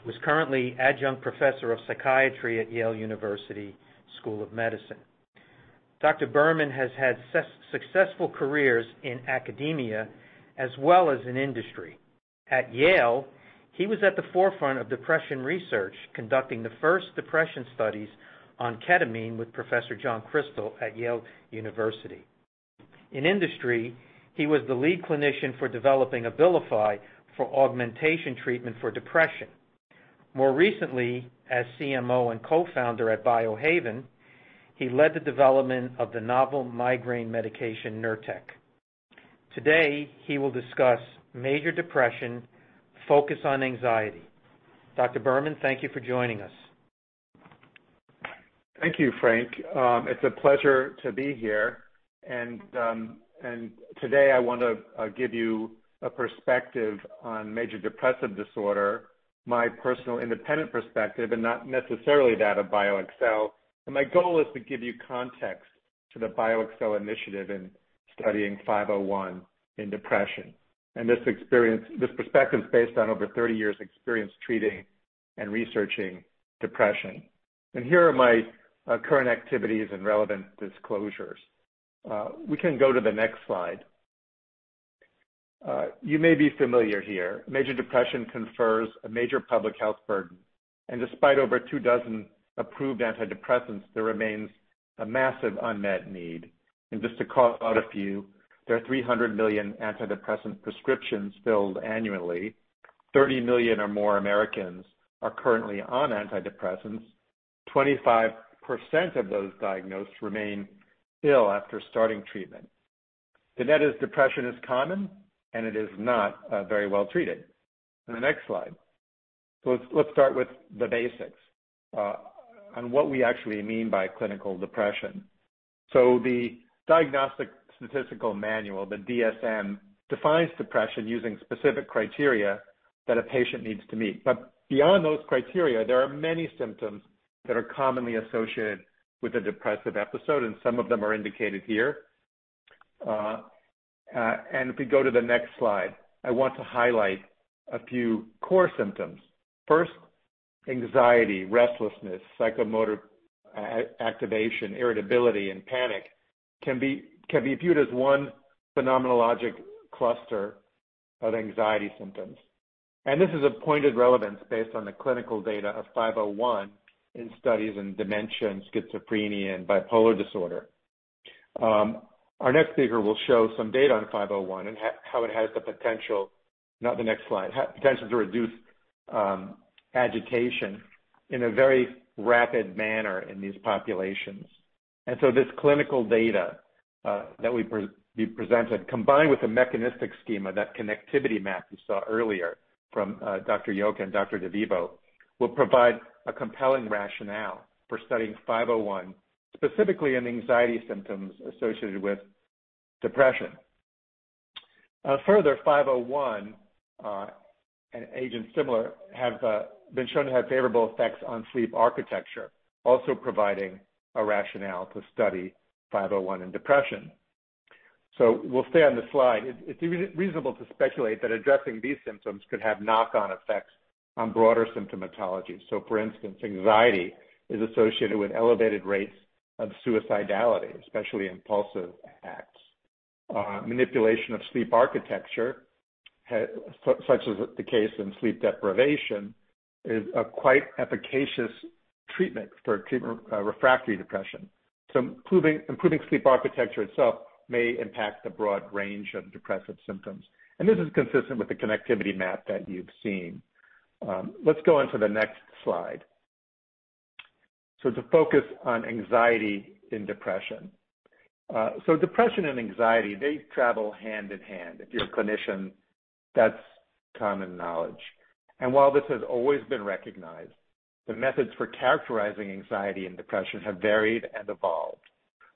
who's currently adjunct professor of psychiatry at Yale University School of Medicine. Dr. Berman has had successful careers in academia as well as in industry. At Yale, he was at the forefront of depression research, conducting the first depression studies on ketamine with Professor John Krystal at Yale University. In industry, he was the lead clinician for developing Abilify for augmentation treatment for depression. More recently, as CMO and co-founder at Biohaven, he led the development of the novel migraine medication, Nurtec. Today, he will discuss major depression, focus on anxiety. Dr. Berman, thank you for joining us. Thank you, Frank. It's a pleasure to be here. Today I want to give you a perspective on Major Depressive Disorder. My personal independent perspective, and not necessarily that of BioXcel. My goal is to give you context to the BioXcel initiative in studying BXCL501 in depression. This perspective is based on over 30 years' experience treating and researching depression. Here are my current activities and relevant disclosures. We can go to the next slide. You may be familiar here. Major Depression confers a major public health burden, and despite over two dozen approved antidepressants, there remains a massive unmet need. Just to call out a few, there are 300 million antidepressant prescriptions filled annually, 30 million or more Americans are currently on antidepressants, 25% of those diagnosed remain ill after starting treatment. The net is depression is common, and it is not very well treated. The next slide. Let's start with the basics on what we actually mean by clinical depression. The Diagnostic Statistical Manual, the DSM, defines depression using specific criteria that a patient needs to meet. Beyond those criteria, there are many symptoms that are commonly associated with a depressive episode, and some of them are indicated here. If we go to the next slide, I want to highlight a few core symptoms. First, anxiety, restlessness, psychomotor activation, irritability, and panic can be viewed as one phenomenologic cluster of anxiety symptoms. This is of pointed relevance based on the clinical data of 501 in studies in dementia and schizophrenia and bipolar disorder. Our next figure will show some data on 501 and how it has the potential, not the next slide, potential to reduce agitation in a very rapid manner in these populations. This clinical data that we presented, combined with the mechanistic schema, that connectivity map you saw earlier from Dr. Yocca and Dr. DeVivo, will provide a compelling rationale for studying BXCL501, specifically in anxiety symptoms associated with depression. Further, BXCL501 and agents similar have been shown to have favorable effects on sleep architecture, also providing a rationale to study BXCL501 in depression. We'll stay on this slide. It's reasonable to speculate that addressing these symptoms could have knock-on effects on broader symptomatology. For instance, anxiety is associated with elevated rates of suicidality, especially impulsive acts. Manipulation of sleep architecture, such as the case in sleep deprivation, is a quite efficacious treatment for treatment of refractory depression. Improving sleep architecture itself may impact a broad range of depressive symptoms. This is consistent with the connectivity map that you've seen. Let's go on to the next slide. To focus on anxiety in depression. Depression and anxiety, they travel hand in hand. If you're a clinician, that's common knowledge. While this has always been recognized, the methods for characterizing anxiety and depression have varied and evolved.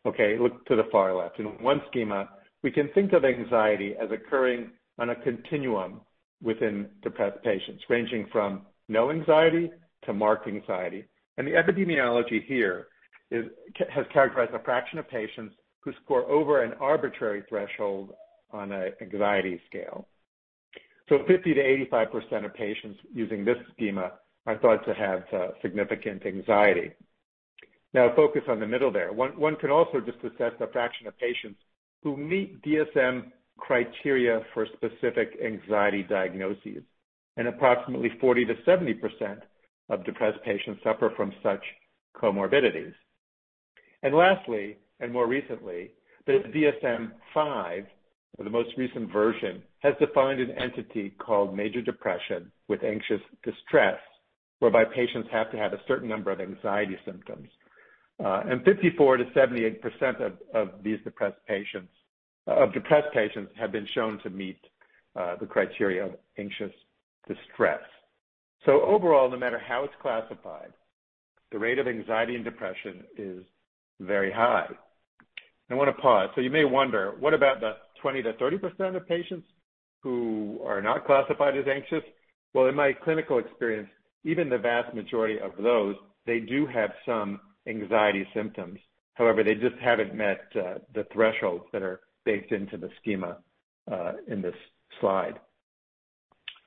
Okay, look to the far left. In one schema, we can think of anxiety as occurring on a continuum within depressed patients, ranging from no anxiety to marked anxiety. The epidemiology here has characterized a fraction of patients who score over an arbitrary threshold on an anxiety scale. 50%-85% of patients using this schema are thought to have significant anxiety. Now, focus on the middle there. One can also just assess the fraction of patients who meet DSM criteria for specific anxiety diagnoses. Approximately 40%-70% of depressed patients suffer from such comorbidities. Lastly, and more recently, the DSM-V, or the most recent version, has defined an entity called major depression with anxious distress, whereby patients have to have a certain number of anxiety symptoms. 54%-78% of depressed patients have been shown to meet the criteria of anxious distress. Overall, no matter how it's classified, the rate of anxiety and depression is very high. I want to pause. You may wonder, what about the 20%-30% of patients who are not classified as anxious? Well, in my clinical experience, even the vast majority of those, they do have some anxiety symptoms. However, they just haven't met the thresholds that are baked into the schema in this slide.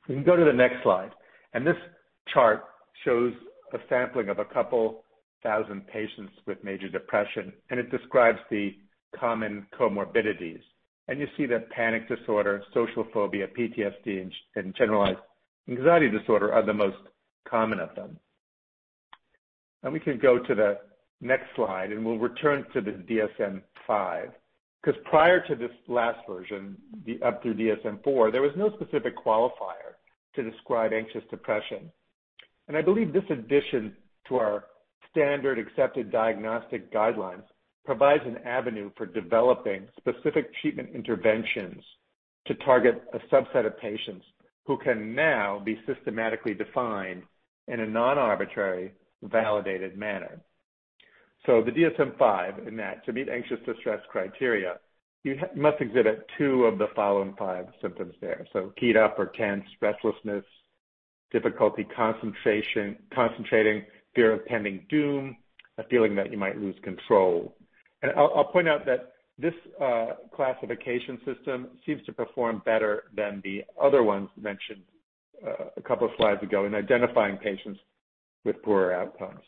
We can go to the next slide. This chart shows a sampling of a couple thousand patients with major depression, and it describes the common comorbidities. You see that panic disorder, social phobia, PTSD, and generalized anxiety disorder are the most common of them. We can go to the next slide, and we'll return to the DSM-V. Prior to this last version, up through DSM-IV, there was no specific qualifier to describe anxious depression. I believe this addition to our standard accepted diagnostic guidelines provides an avenue for developing specific treatment interventions to target a subset of patients who can now be systematically defined in a non-arbitrary, validated manner. The DSM-5 in that to meet anxious distress criteria, you must exhibit two of the following five symptoms there. Keyed up or tense, restlessness, difficulty concentrating, fear of pending doom, a feeling that you might lose control. I'll point out that this classification system seems to perform better than the other ones mentioned a couple of slides ago in identifying patients with poorer outcomes.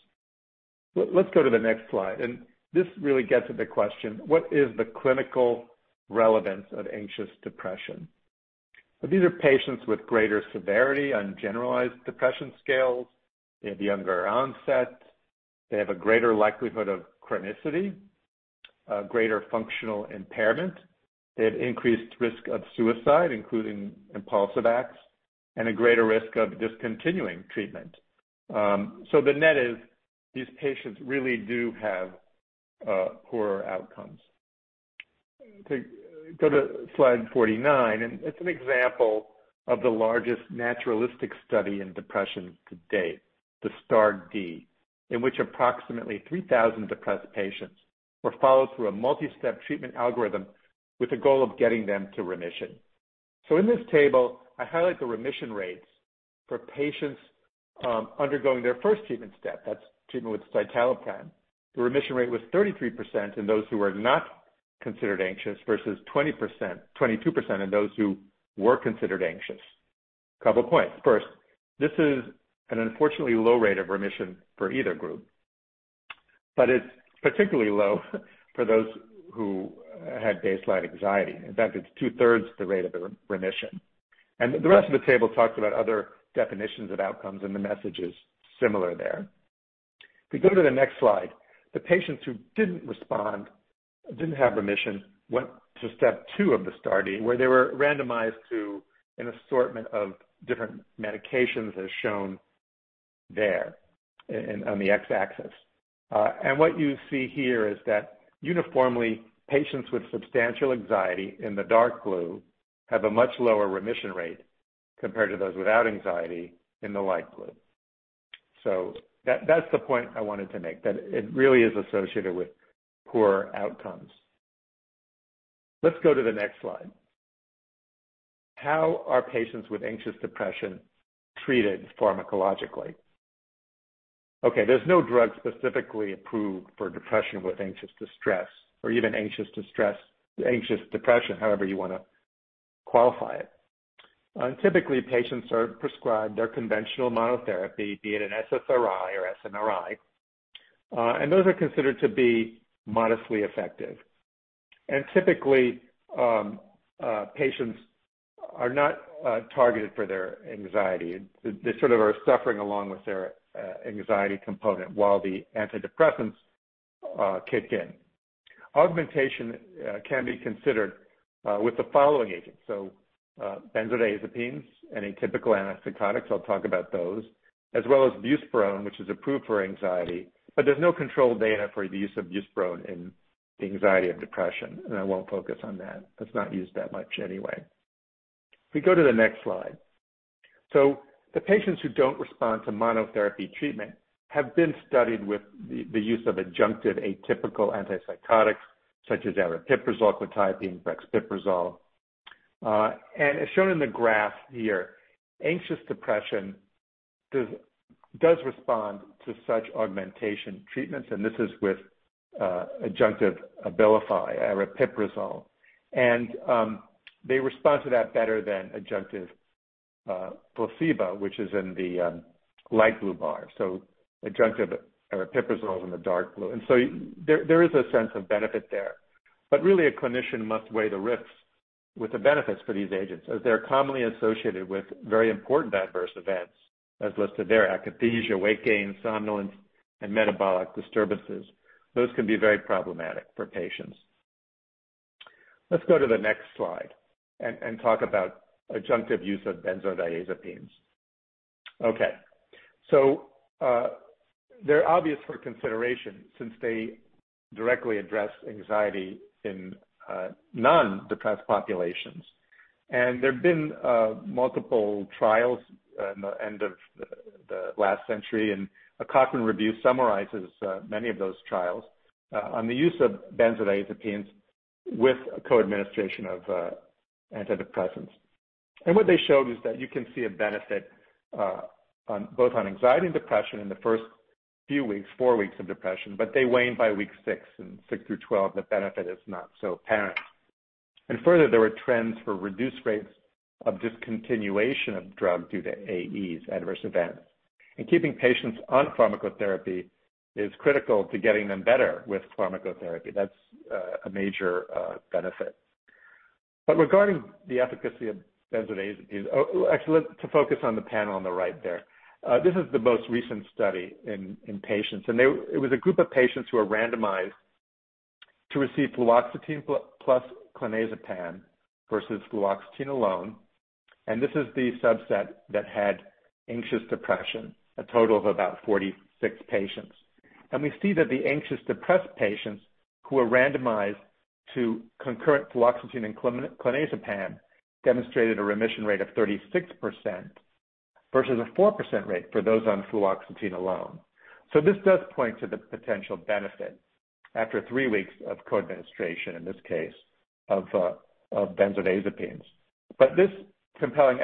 Let's go to the next slide. This really gets at the question: what is the clinical relevance of anxious depression? These are patients with greater severity on generalized depression scales. They have younger onset. They have a greater likelihood of chronicity, greater functional impairment. They have increased risk of suicide, including impulsive acts, and a greater risk of discontinuing treatment. The net is these patients really do have poorer outcomes. Go to slide 49. It's an example of the largest naturalistic study in depression to date, the STAR*D, in which approximately 3,000 depressed patients were followed through a multi-step treatment algorithm with the goal of getting them to remission. In this table, I highlight the remission rates for patients undergoing their first treatment step. That's treatment with citalopram. The remission rate was 33% in those who were not considered anxious versus 22% in those who were considered anxious. A couple points. First, this is an unfortunately low rate of remission for either group, but it's particularly low for those who had baseline anxiety. In fact, it's two-thirds the rate of remission. The rest of the table talks about other definitions of outcomes, and the message is similar there. If we go to the next slide, the patients who didn't respond, didn't have remission, went to step two of the STAR*D, where they were randomized to an assortment of different medications, as shown there on the X-axis. What you see here is that uniformly, patients with substantial anxiety in the dark blue have a much lower remission rate compared to those without anxiety in the light blue. That's the point I wanted to make, that it really is associated with poor outcomes. Let's go to the next slide. How are patients with anxious depression treated pharmacologically? Okay. There's no drug specifically approved for depression with anxious distress or even anxious depression, however you want to qualify it. Typically, patients are prescribed a conventional monotherapy, be it an SSRI or SNRI. Those are considered to be modestly effective. Typically, patients are not targeted for their anxiety. They sort of are suffering along with their anxiety component while the antidepressants kick in. Augmentation can be considered with the following agents. Benzodiazepines, atypical antipsychotics, I'll talk about those, as well as buspirone, which is approved for anxiety. There's no controlled data for the use of buspirone in the anxiety of depression, and I won't focus on that. It's not used that much anyway. If we go to the next slide. The patients who don't respond to monotherapy treatment have been studied with the use of adjunctive atypical antipsychotics such as aripiprazole, quetiapine, brexpiprazole. As shown in the graph here, anxious depression does respond to such augmentation treatments, and this is with adjunctive ABILIFY, aripiprazole. They respond to that better than adjunctive placebo, which is in the light blue bar. Adjunctive aripiprazole is in the dark blue. There is a sense of benefit there. Really, a clinician must weigh the risks with the benefits for these agents, as they're commonly associated with very important adverse events as listed there: akathisia, weight gain, somnolence, and metabolic disturbances. Those can be very problematic for patients. Let's go to the next slide and talk about adjunctive use of benzodiazepines. Okay. They're obvious for consideration since they directly address anxiety in non-depressed populations. There have been multiple trials in the end of the last century. A Cochrane review summarizes many of those trials on the use of benzodiazepines with co-administration of antidepressants. What they showed is that you can see a benefit both on anxiety and depression in the first few weeks, four weeks of depression, but they wane by week six, and six through 12, the benefit is not so apparent. Further, there were trends for reduced rates of discontinuation of drug due to AEs, adverse events. Keeping patients on pharmacotherapy is critical to getting them better with pharmacotherapy. That's a major benefit. Regarding the efficacy of benzodiazepines. Oh, actually, let's focus on the panel on the right there. This is the most recent study in patients, and it was a group of patients who were randomized to receive fluoxetine plus clonazepam versus fluoxetine alone. This is the subset that had anxious depression, a total of about 46 patients. We see that the anxious depressed patients who were randomized to concurrent fluoxetine and clonazepam demonstrated a remission rate of 36%. Versus a 4% rate for those on fluoxetine alone. This does point to the potential benefit after three weeks of co-administration, in this case, of benzodiazepines. This compelling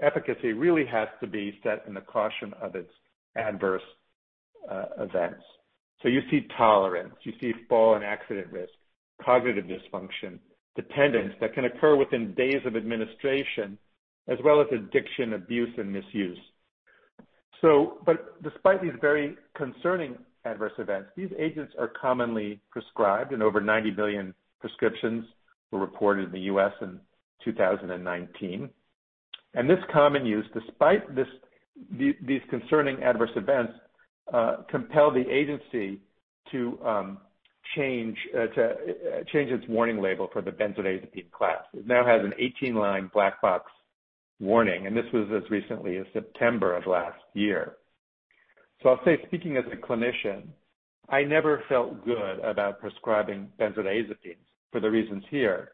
efficacy really has to be set in the caution of its adverse events. You see tolerance, you see fall and accident risk, cognitive dysfunction, dependence that can occur within days of administration, as well as addiction, abuse, and misuse. Despite these very concerning adverse events, these agents are commonly prescribed, and over 90 million prescriptions were reported in the U.S. in 2019. This common use, despite these concerning adverse events, compel the agency to change its warning label for the benzodiazepine class. It now has an 18-line black box warning, and this was as recently as September of last year. I'll say, speaking as a clinician, I never felt good about prescribing benzodiazepines for the reasons here,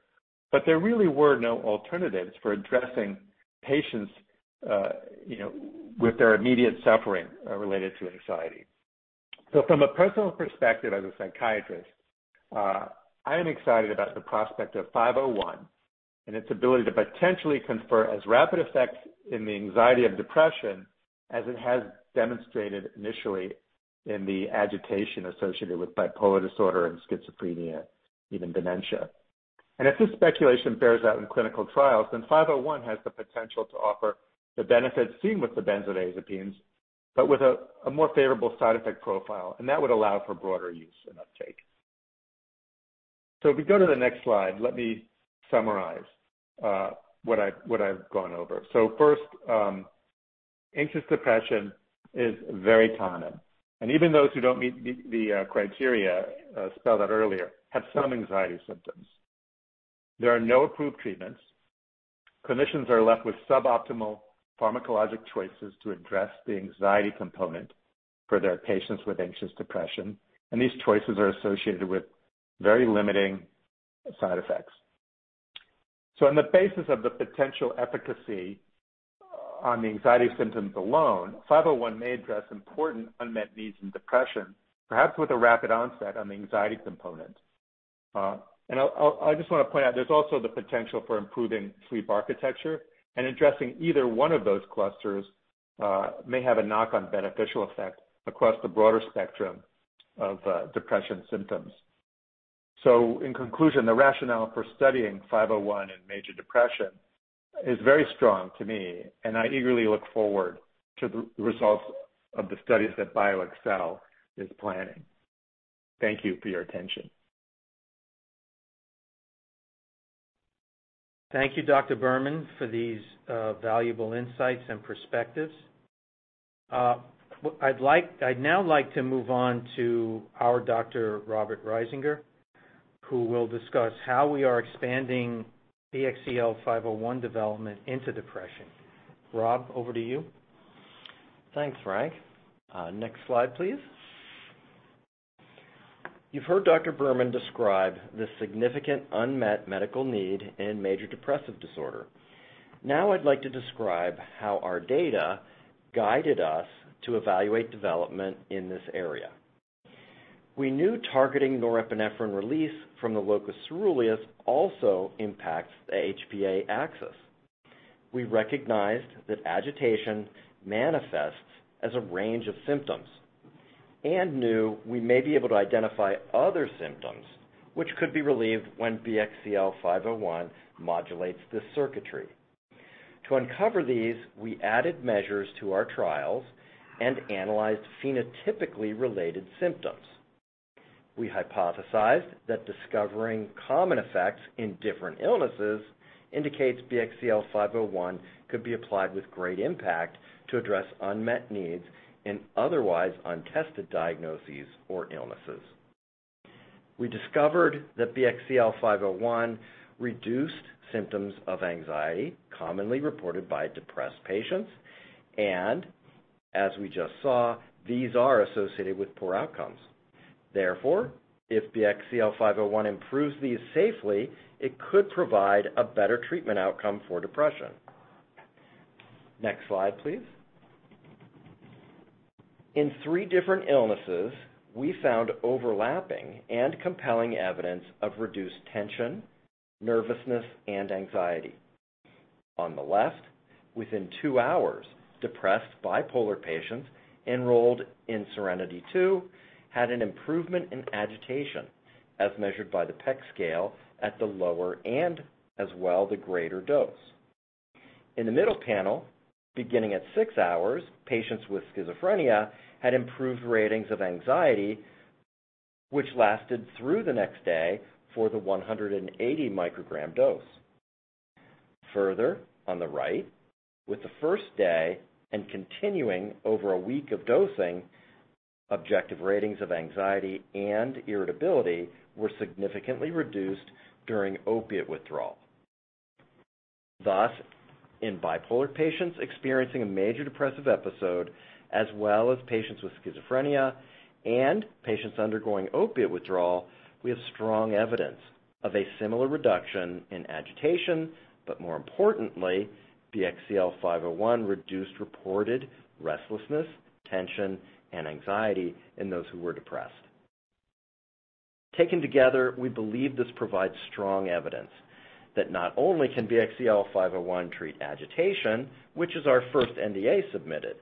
but there really were no alternatives for addressing patients with their immediate suffering related to anxiety. From a personal perspective as a psychiatrist, I am excited about the prospect of 501 and its ability to potentially confer as rapid effects in the anxiety of depression as it has demonstrated initially in the agitation associated with bipolar disorder and schizophrenia, even dementia. If this speculation bears out in clinical trials, then 501 has the potential to offer the benefits seen with the benzodiazepines, but with a more favorable side effect profile, and that would allow for broader use and uptake. If we go to the next slide, let me summarize what I've gone over. First, anxious depression is very common, and even those who don't meet the criteria spelled out earlier have some anxiety symptoms. There are no approved treatments. Clinicians are left with sub-optimal pharmacologic choices to address the anxiety component for their patients with anxious depression, and these choices are associated with very limiting side effects. On the basis of the potential efficacy on the anxiety symptoms alone, 501 may address important unmet needs in depression, perhaps with a rapid onset on the anxiety component. I just want to point out, there's also the potential for improving sleep architecture, and addressing either one of those clusters may have a knock-on beneficial effect across the broader spectrum of depression symptoms. In conclusion, the rationale for studying 501 in major depression is very strong to me, and I eagerly look forward to the results of the studies that BioXcel is planning. Thank you for your attention. Thank you, Dr. Berman, for these valuable insights and perspectives. I'd now like to move on to our Dr. Robert Risinger, who will discuss how we are expanding BXCL501 development into depression. Rob, over to you. Thanks, Frank. Next slide, please. You've heard Dr. Berman describe the significant unmet medical need in major depressive disorder. Now I'd like to describe how our data guided us to evaluate development in this area. We knew targeting norepinephrine release from the locus coeruleus also impacts the HPA axis. We recognized that agitation manifests as a range of symptoms and knew we may be able to identify other symptoms which could be relieved when BXCL501 modulates this circuitry. To uncover these, we added measures to our trials and analyzed phenotypically related symptoms. We hypothesized that discovering common effects in different illnesses indicates BXCL501 could be applied with great impact to address unmet needs in otherwise untested diagnoses or illnesses. We discovered that BXCL501 reduced symptoms of anxiety commonly reported by depressed patients, and as we just saw, these are associated with poor outcomes. If BXCL501 improves these safely, it could provide a better treatment outcome for depression. Next slide, please. In three different illnesses, we found overlapping and compelling evidence of reduced tension, nervousness, and anxiety. On the left, within two hours, depressed bipolar patients enrolled in SERENITY II had an improvement in agitation, as measured by the PEC scale at the lower and as well the greater dose. In the middle panel, beginning at six hours, patients with schizophrenia had improved ratings of anxiety, which lasted through the next day for the 180 microgram dose. On the right, with the first day and continuing over one week of dosing, objective ratings of anxiety and irritability were significantly reduced during opiate withdrawal. Thus, in bipolar patients experiencing a major depressive episode, as well as patients with schizophrenia and patients undergoing opiate withdrawal, we have strong evidence of a similar reduction in agitation, but more importantly, BXCL501 reduced reported restlessness, tension, and anxiety in those who were depressed. Taken together, we believe this provides strong evidence that not only can BXCL501 treat agitation, which is our first NDA submitted,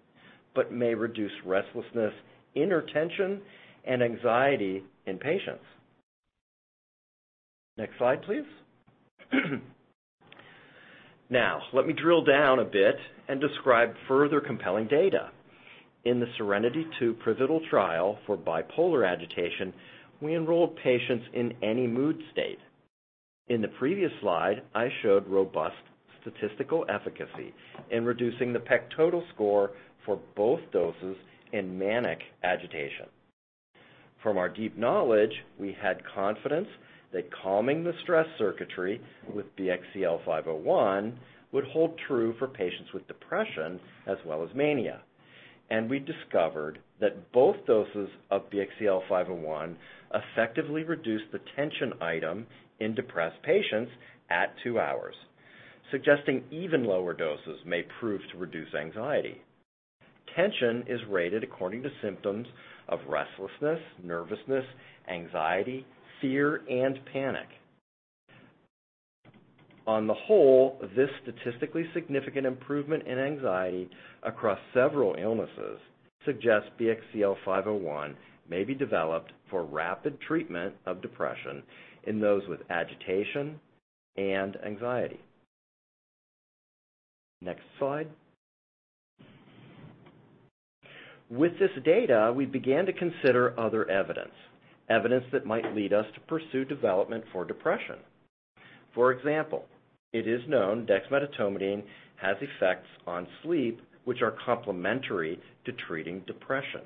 but may reduce restlessness, inner tension, and anxiety in patients. Next slide, please. Now, let me drill down a bit and describe further compelling data. In the SERENITY II pivotal trial for bipolar agitation, we enrolled patients in any mood state. In the previous slide, I showed robust statistical efficacy in reducing the PEC total score for both doses in manic agitation. From our deep knowledge, we had confidence that calming the stress circuitry with BXCL501 would hold true for patients with depression as well as mania. We discovered that both doses of BXCL501 effectively reduced the tension item in depressed patients at two hours, suggesting even lower doses may prove to reduce anxiety. Tension is rated according to symptoms of restlessness, nervousness, anxiety, fear, and panic. On the whole, this statistically significant improvement in anxiety across several illnesses suggests BXCL501 may be developed for rapid treatment of depression in those with agitation and anxiety. Next slide. With this data, we began to consider other evidence that might lead us to pursue development for depression. For example, it is known dexmedetomidine has effects on sleep, which are complementary to treating depression.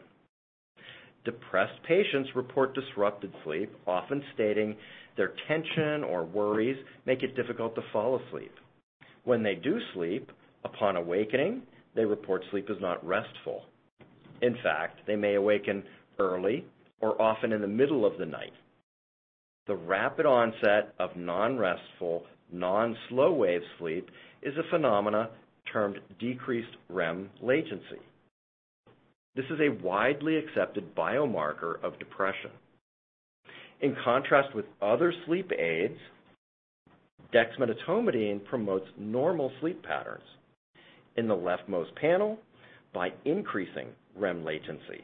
Depressed patients report disrupted sleep, often stating their tension or worries make it difficult to fall asleep. When they do sleep, upon awakening, they report sleep is not restful. In fact, they may awaken early or often in the middle of the night. The rapid onset of non-restful, non-slow-wave sleep is a phenomena termed decreased REM latency. This is a widely accepted biomarker of depression. In contrast with other sleep aids, dexmedetomidine promotes normal sleep patterns. In the leftmost panel, by increasing REM latency.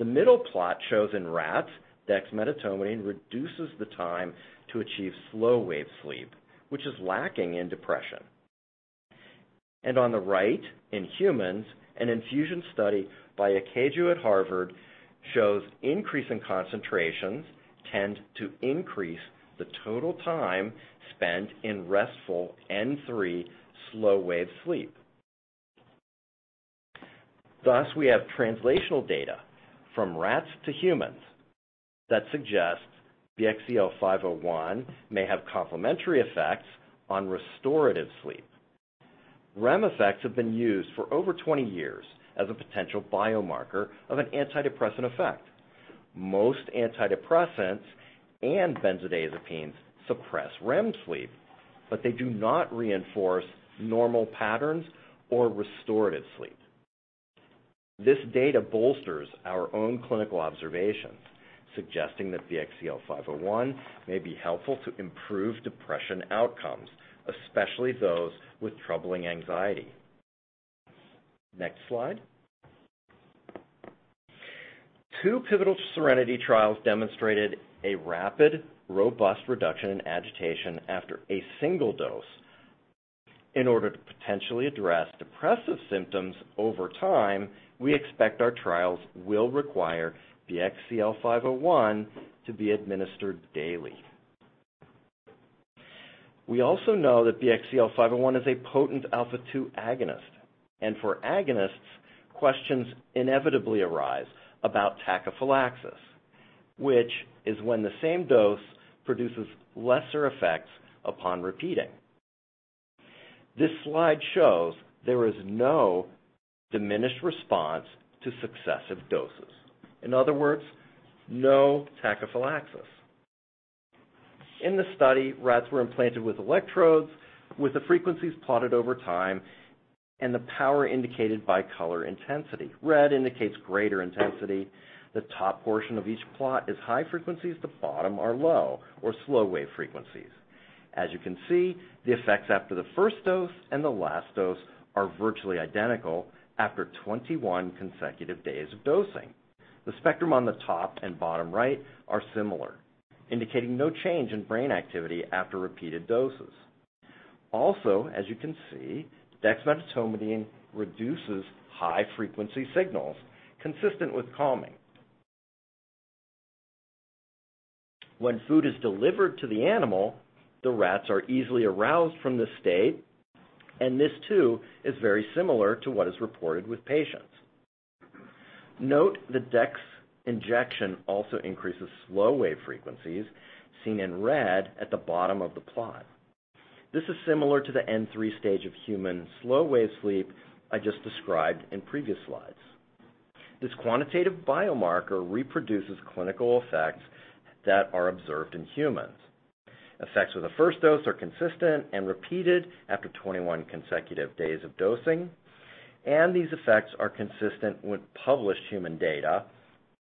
The middle plot shows in rats, dexmedetomidine reduces the time to achieve slow-wave sleep, which is lacking in depression. On the right, in humans, an infusion study by Akeju at Harvard shows increasing concentrations tend to increase the total time spent in restful N3 slow-wave sleep. We have translational data from rats to humans that suggest BXCL501 may have complementary effects on restorative sleep. REM effects have been used for over 20 years as a potential biomarker of an antidepressant effect. Most antidepressants and benzodiazepines suppress REM sleep, but they do not reinforce normal patterns or restorative sleep. This data bolsters our own clinical observations, suggesting that BXCL501 may be helpful to improve depression outcomes, especially those with troubling anxiety. Next slide. Two pivotal SERENITY trials demonstrated a rapid, robust reduction in agitation after a single dose. In order to potentially address depressive symptoms over time, we expect our trials will require BXCL501 to be administered daily. We also know that BXCL501 is a potent alpha-2 agonist, and for agonists, questions inevitably arise about tachyphylaxis, which is when the same dose produces lesser effects upon repeating. This slide shows there was no diminished response to successive doses. In other words, no tachyphylaxis. In the study, rats were implanted with electrodes, with the frequencies plotted over time and the power indicated by color intensity. Red indicates greater intensity. The top portion of each plot is high frequencies, the bottom are low or slow-wave frequencies. As you can see, the effects after the first dose and the last dose are virtually identical after 21 consecutive days of dosing. The spectrum on the top and bottom right are similar, indicating no change in brain activity after repeated doses. Also, as you can see, dexmedetomidine reduces high-frequency signals consistent with calming. When food is delivered to the animal, the rats are easily aroused from this state, and this too, is very similar to what is reported with patients. Note the dex injection also increases slow-wave frequencies, seen in red at the bottom of the plot. This is similar to the N3 stage of human slow-wave sleep I just described in previous slides. This quantitative biomarker reproduces clinical effects that are observed in humans. Effects with the first dose are consistent and repeated after 21 consecutive days of dosing, and these effects are consistent with published human data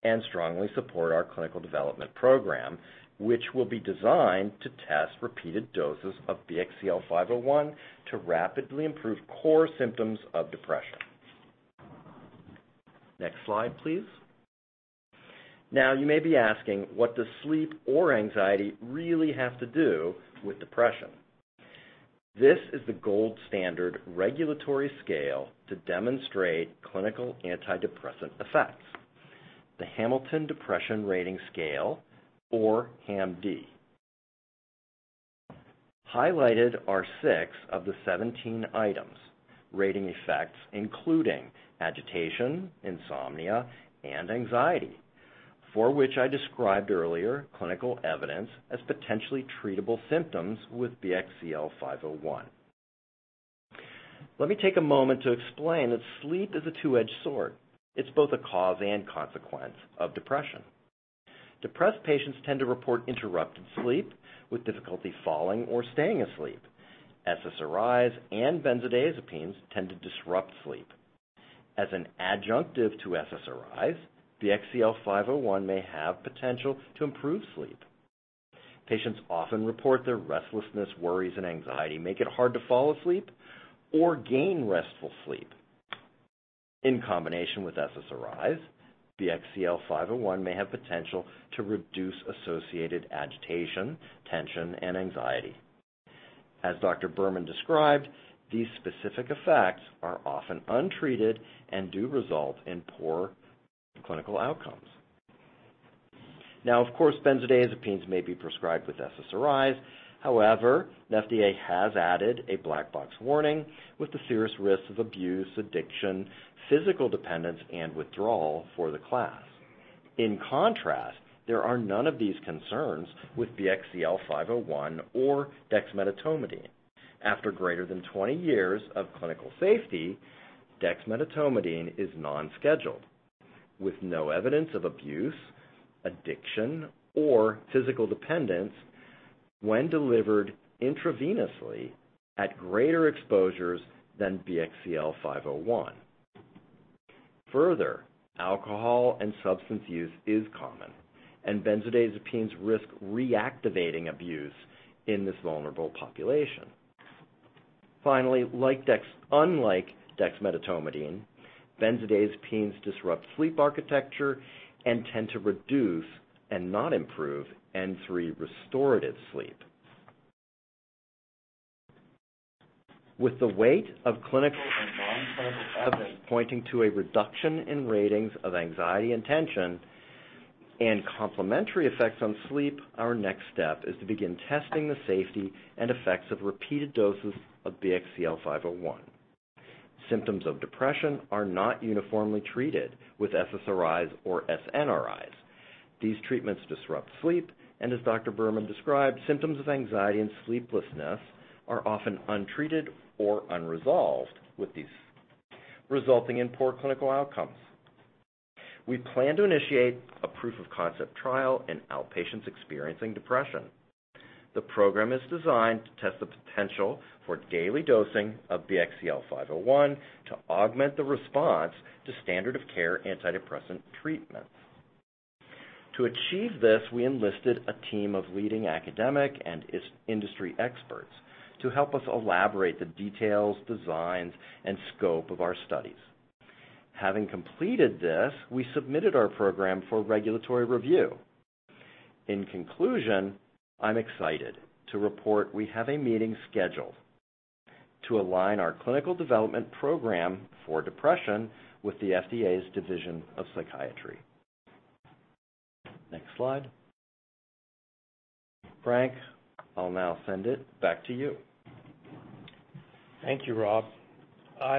and strongly support our clinical development program, which will be designed to test repeated doses of BXCL501 to rapidly improve core symptoms of depression. Next slide, please. Now, you may be asking, what does sleep or anxiety really have to do with depression? This is the gold standard regulatory scale to demonstrate clinical antidepressant effects, the Hamilton Depression Rating Scale, or HAM-D. Highlighted are six of the 17 items, rating effects including agitation, insomnia, and anxiety, for which I described earlier clinical evidence as potentially treatable symptoms with BXCL501. Let me take a moment to explain that sleep is a two-edged sword. It's both a cause and consequence of depression. Depressed patients tend to report interrupted sleep with difficulty falling or staying asleep. SSRIs and benzodiazepines tend to disrupt sleep. As an adjunctive to SSRIs, BXCL501 may have potential to improve sleep. Patients often report their restlessness, worries, and anxiety make it hard to fall asleep or gain restful sleep. In combination with SSRIs, BXCL501 may have potential to reduce associated agitation, tension, and anxiety. As Dr. Berman described, these specific effects are often untreated and do result in poor clinical outcomes. Of course, benzodiazepines may be prescribed with SSRIs. The FDA has added a black box warning with the serious risks of abuse, addiction, physical dependence, and withdrawal for the class. There are none of these concerns with BXCL501 or dexmedetomidine. After greater than 20 years of clinical safety, dexmedetomidine is non-scheduled with no evidence of abuse, addiction, or physical dependence when delivered intravenously at greater exposures than BXCL501. Alcohol and substance use is common, and benzodiazepines risk reactivating abuse in this vulnerable population. Unlike dexmedetomidine, benzodiazepines disrupt sleep architecture and tend to reduce and not improve N3 restorative sleep. With the weight of clinical and non-clinical evidence pointing to a reduction in ratings of anxiety and tension and complementary effects on sleep, our next step is to begin testing the safety and effects of repeated doses of BXCL501. Symptoms of depression are not uniformly treated with SSRIs or SNRIs. These treatments disrupt sleep, and as Dr. Berman described, symptoms of anxiety and sleeplessness are often untreated or unresolved with these, resulting in poor clinical outcomes. We plan to initiate a proof of concept trial in outpatients experiencing depression. The program is designed to test the potential for daily dosing of BXCL501 to augment the response to standard of care antidepressant treatments. To achieve this, we enlisted a team of leading academic and industry experts to help us elaborate the details, designs, and scope of our studies. Having completed this, we submitted our program for regulatory review. In conclusion, I'm excited to report we have a meeting scheduled to align our clinical development program for depression with the FDA's Division of Psychiatry. Next slide. Frank, I'll now send it back to you. Thank you, Rob.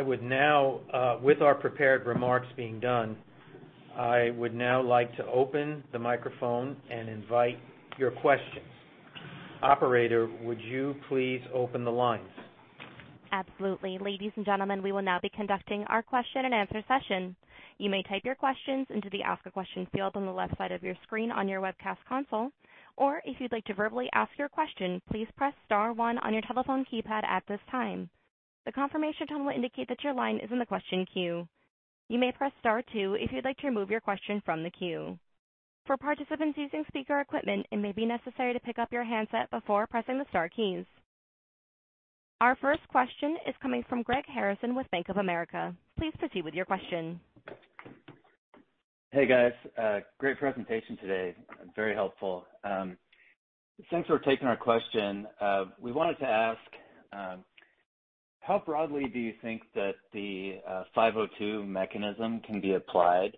With our prepared remarks being done, I would now like to open the microphone and invite your questions. Operator, would you please open the lines? Absolutely. Ladies and gentlemen, we will now be conducting our question and answer session. You may type your questions into the Ask a Question field on the left side of your screen on your webcast console, or if you'd like to verbally ask your question, please press star one on your telephone keypad at this time. The confirmation tone will indicate that your line is in the question queue. You may press star two if you'd like to remove your question from the queue. For participants using speaker equipment, it may be necessary to pick up your handset before pressing the star keys. Our first question is coming from Greg Harrison with Bank of America. Please proceed with your question. Hey, guys. Great presentation today. Very helpful. Thanks for taking our question. We wanted to ask, how broadly do you think that the 502 mechanism can be applied?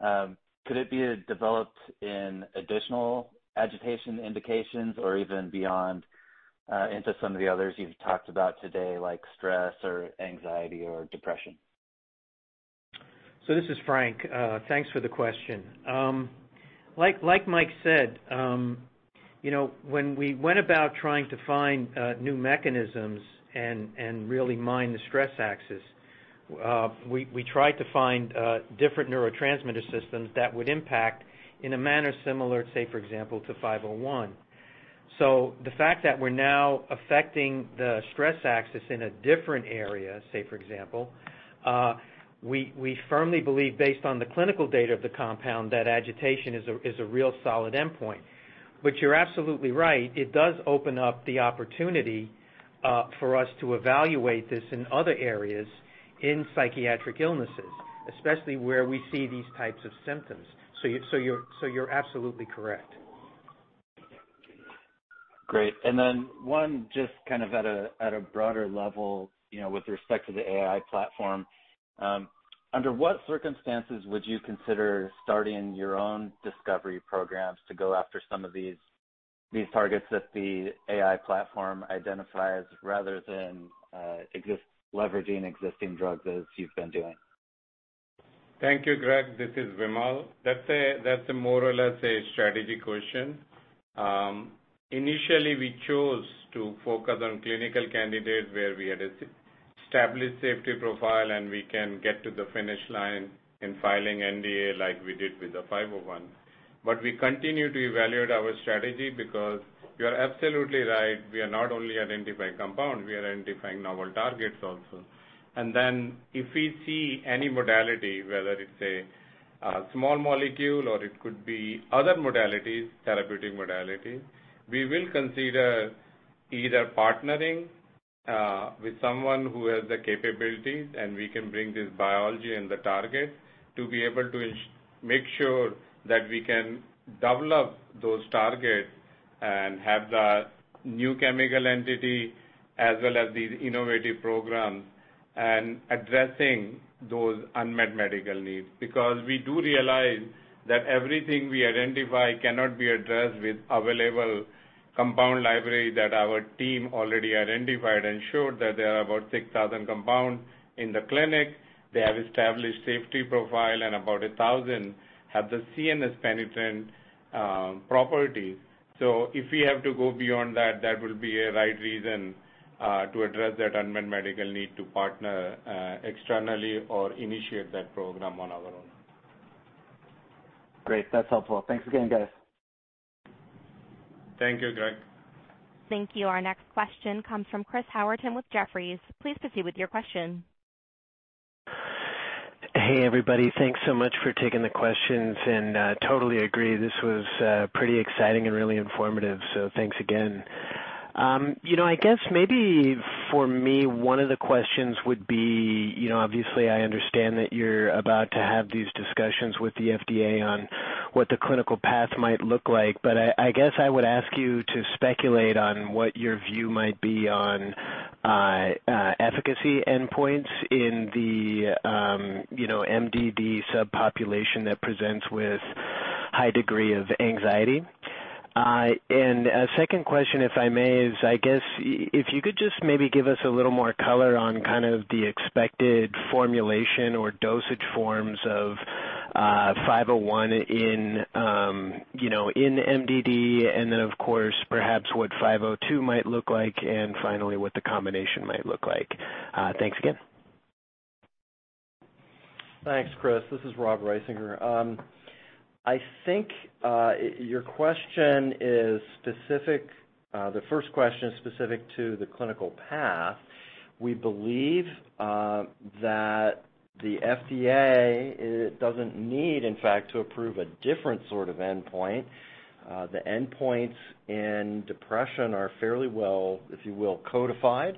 Could it be developed in additional agitation indications or even beyond into some of the others you've talked about today, like stress or anxiety or depression? This is Frank. Thanks for the question. Like Mike said, when we went about trying to find new mechanisms and really mine the stress axis. We try to find different neurotransmitter systems that would impact in a manner similar, say, for example, to 501. The fact that we're now affecting the stress axis in a different area, say, for example, we firmly believe based on the clinical data of the compound, that agitation is a real solid endpoint. You're absolutely right, it does open up the opportunity for us to evaluate this in other areas in psychiatric illnesses, especially where we see these types of symptoms. You're absolutely correct. Great. One just at a broader level with respect to the AI platform. Under what circumstances would you consider starting your own discovery programs to go after some of these targets that the AI platform identifies rather than leveraging existing drugs as you've been doing? Thank you, Greg. This is Vimal. That's more or less a strategy question. Initially, we chose to focus on clinical candidates where we had established safety profile, and we can get to the finish line in filing NDA like we did with the 501. We continue to evaluate our strategy because you are absolutely right, we are not only identifying compound, we are identifying novel targets also. If we see any modality, whether it's a small molecule or it could be other modalities, therapeutic modality, we will consider either partnering with someone who has the capability, and we can bring this biology and the target to be able to make sure that we can develop those targets and have the new chemical entity as well as these innovative programs and addressing those unmet medical needs. We do realize that everything we identify cannot be addressed with available compound library that our team already identified and showed that there are about 6,000 compound in the clinic. They have established safety profile and about 1,000 have the CNS penetrant property. If we have to go beyond that will be a right reason to address that unmet medical need to partner externally or initiate that program on our own. Great. That's helpful. Thanks again, guys. Thank you, Greg. Thank you. Our next question comes from Chris Howerton with Jefferies. Please proceed with your question. Hey, everybody. Thanks so much for taking the questions. Totally agree this was pretty exciting and really informative. Thanks again. I guess maybe for me, one of the questions would be, obviously I understand that you're about to have these discussions with the FDA on what the clinical path might look like. I guess I would ask you to speculate on what your view might be on efficacy endpoints in the MDD subpopulation that presents with high degree of anxiety. A second question, if I may, is I guess, if you could just maybe give us a little more color on kind of the expected formulation or dosage forms of 501 in MDD and then of course perhaps what 502 might look like and finally what the combination might look like. Thanks again. Thanks, Chris. This is Robert Risinger. I think the first question is specific to the clinical path. We believe that the FDA doesn't need, in fact, to approve a different sort of endpoint. The endpoints in depression are fairly well, if you will, codified.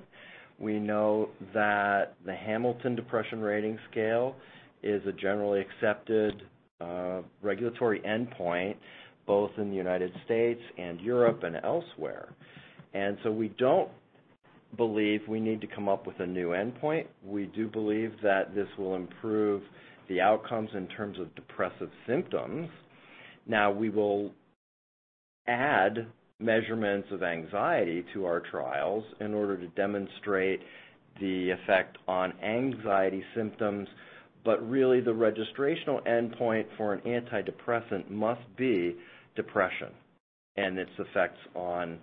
We know that the Hamilton Depression Rating Scale is a generally accepted regulatory endpoint, both in the U.S. and Europe and elsewhere. We don't believe we need to come up with a new endpoint. We do believe that this will improve the outcomes in terms of depressive symptoms. We will add measurements of anxiety to our trials in order to demonstrate the effect on anxiety symptoms, but really the registrational endpoint for an antidepressant must be depression and its effects on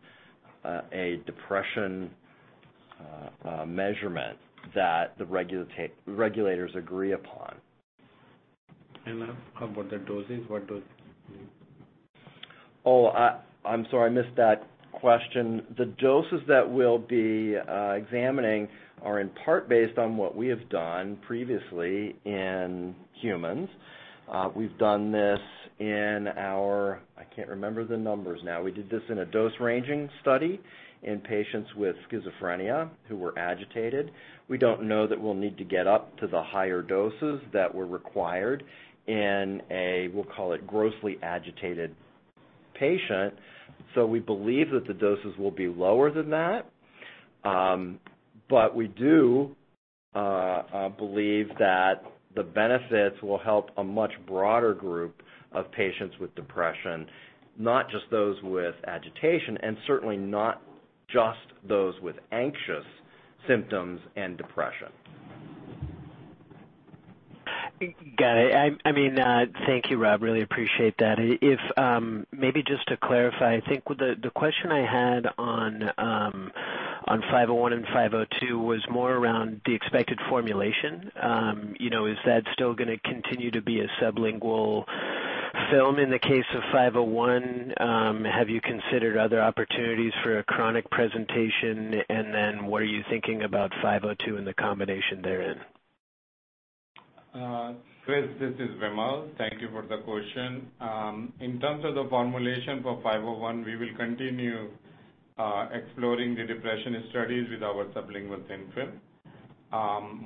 a depression measurement that the regulators agree upon. How about the dosage? What dose? Oh, I'm sorry. I missed that question. The doses that we'll be examining are in part based on what we have done previously in humans. We've done this in our I can't remember the numbers now. We did this in a dose-ranging study in patients with schizophrenia who were agitated. We don't know that we'll need to get up to the higher doses that were required in a, we'll call it grossly agitated patient. We believe that the doses will be lower than that. We do believe that the benefits will help a much broader group of patients with depression, not just those with agitation, and certainly not just those with anxious symptoms and depression. Got it. Thank you, Rob. Really appreciate that. Maybe just to clarify, I think the question I had on 501 and 502 was more around the expected formulation. Is that still going to continue to be a sublingual film in the case of 501? Have you considered other opportunities for a chronic presentation? What are you thinking about 502 and the combination therein? Chris, this is Vimal. Thank you for the question. In terms of the formulation for 501, we will continue exploring the depression studies with our sublingual thin film.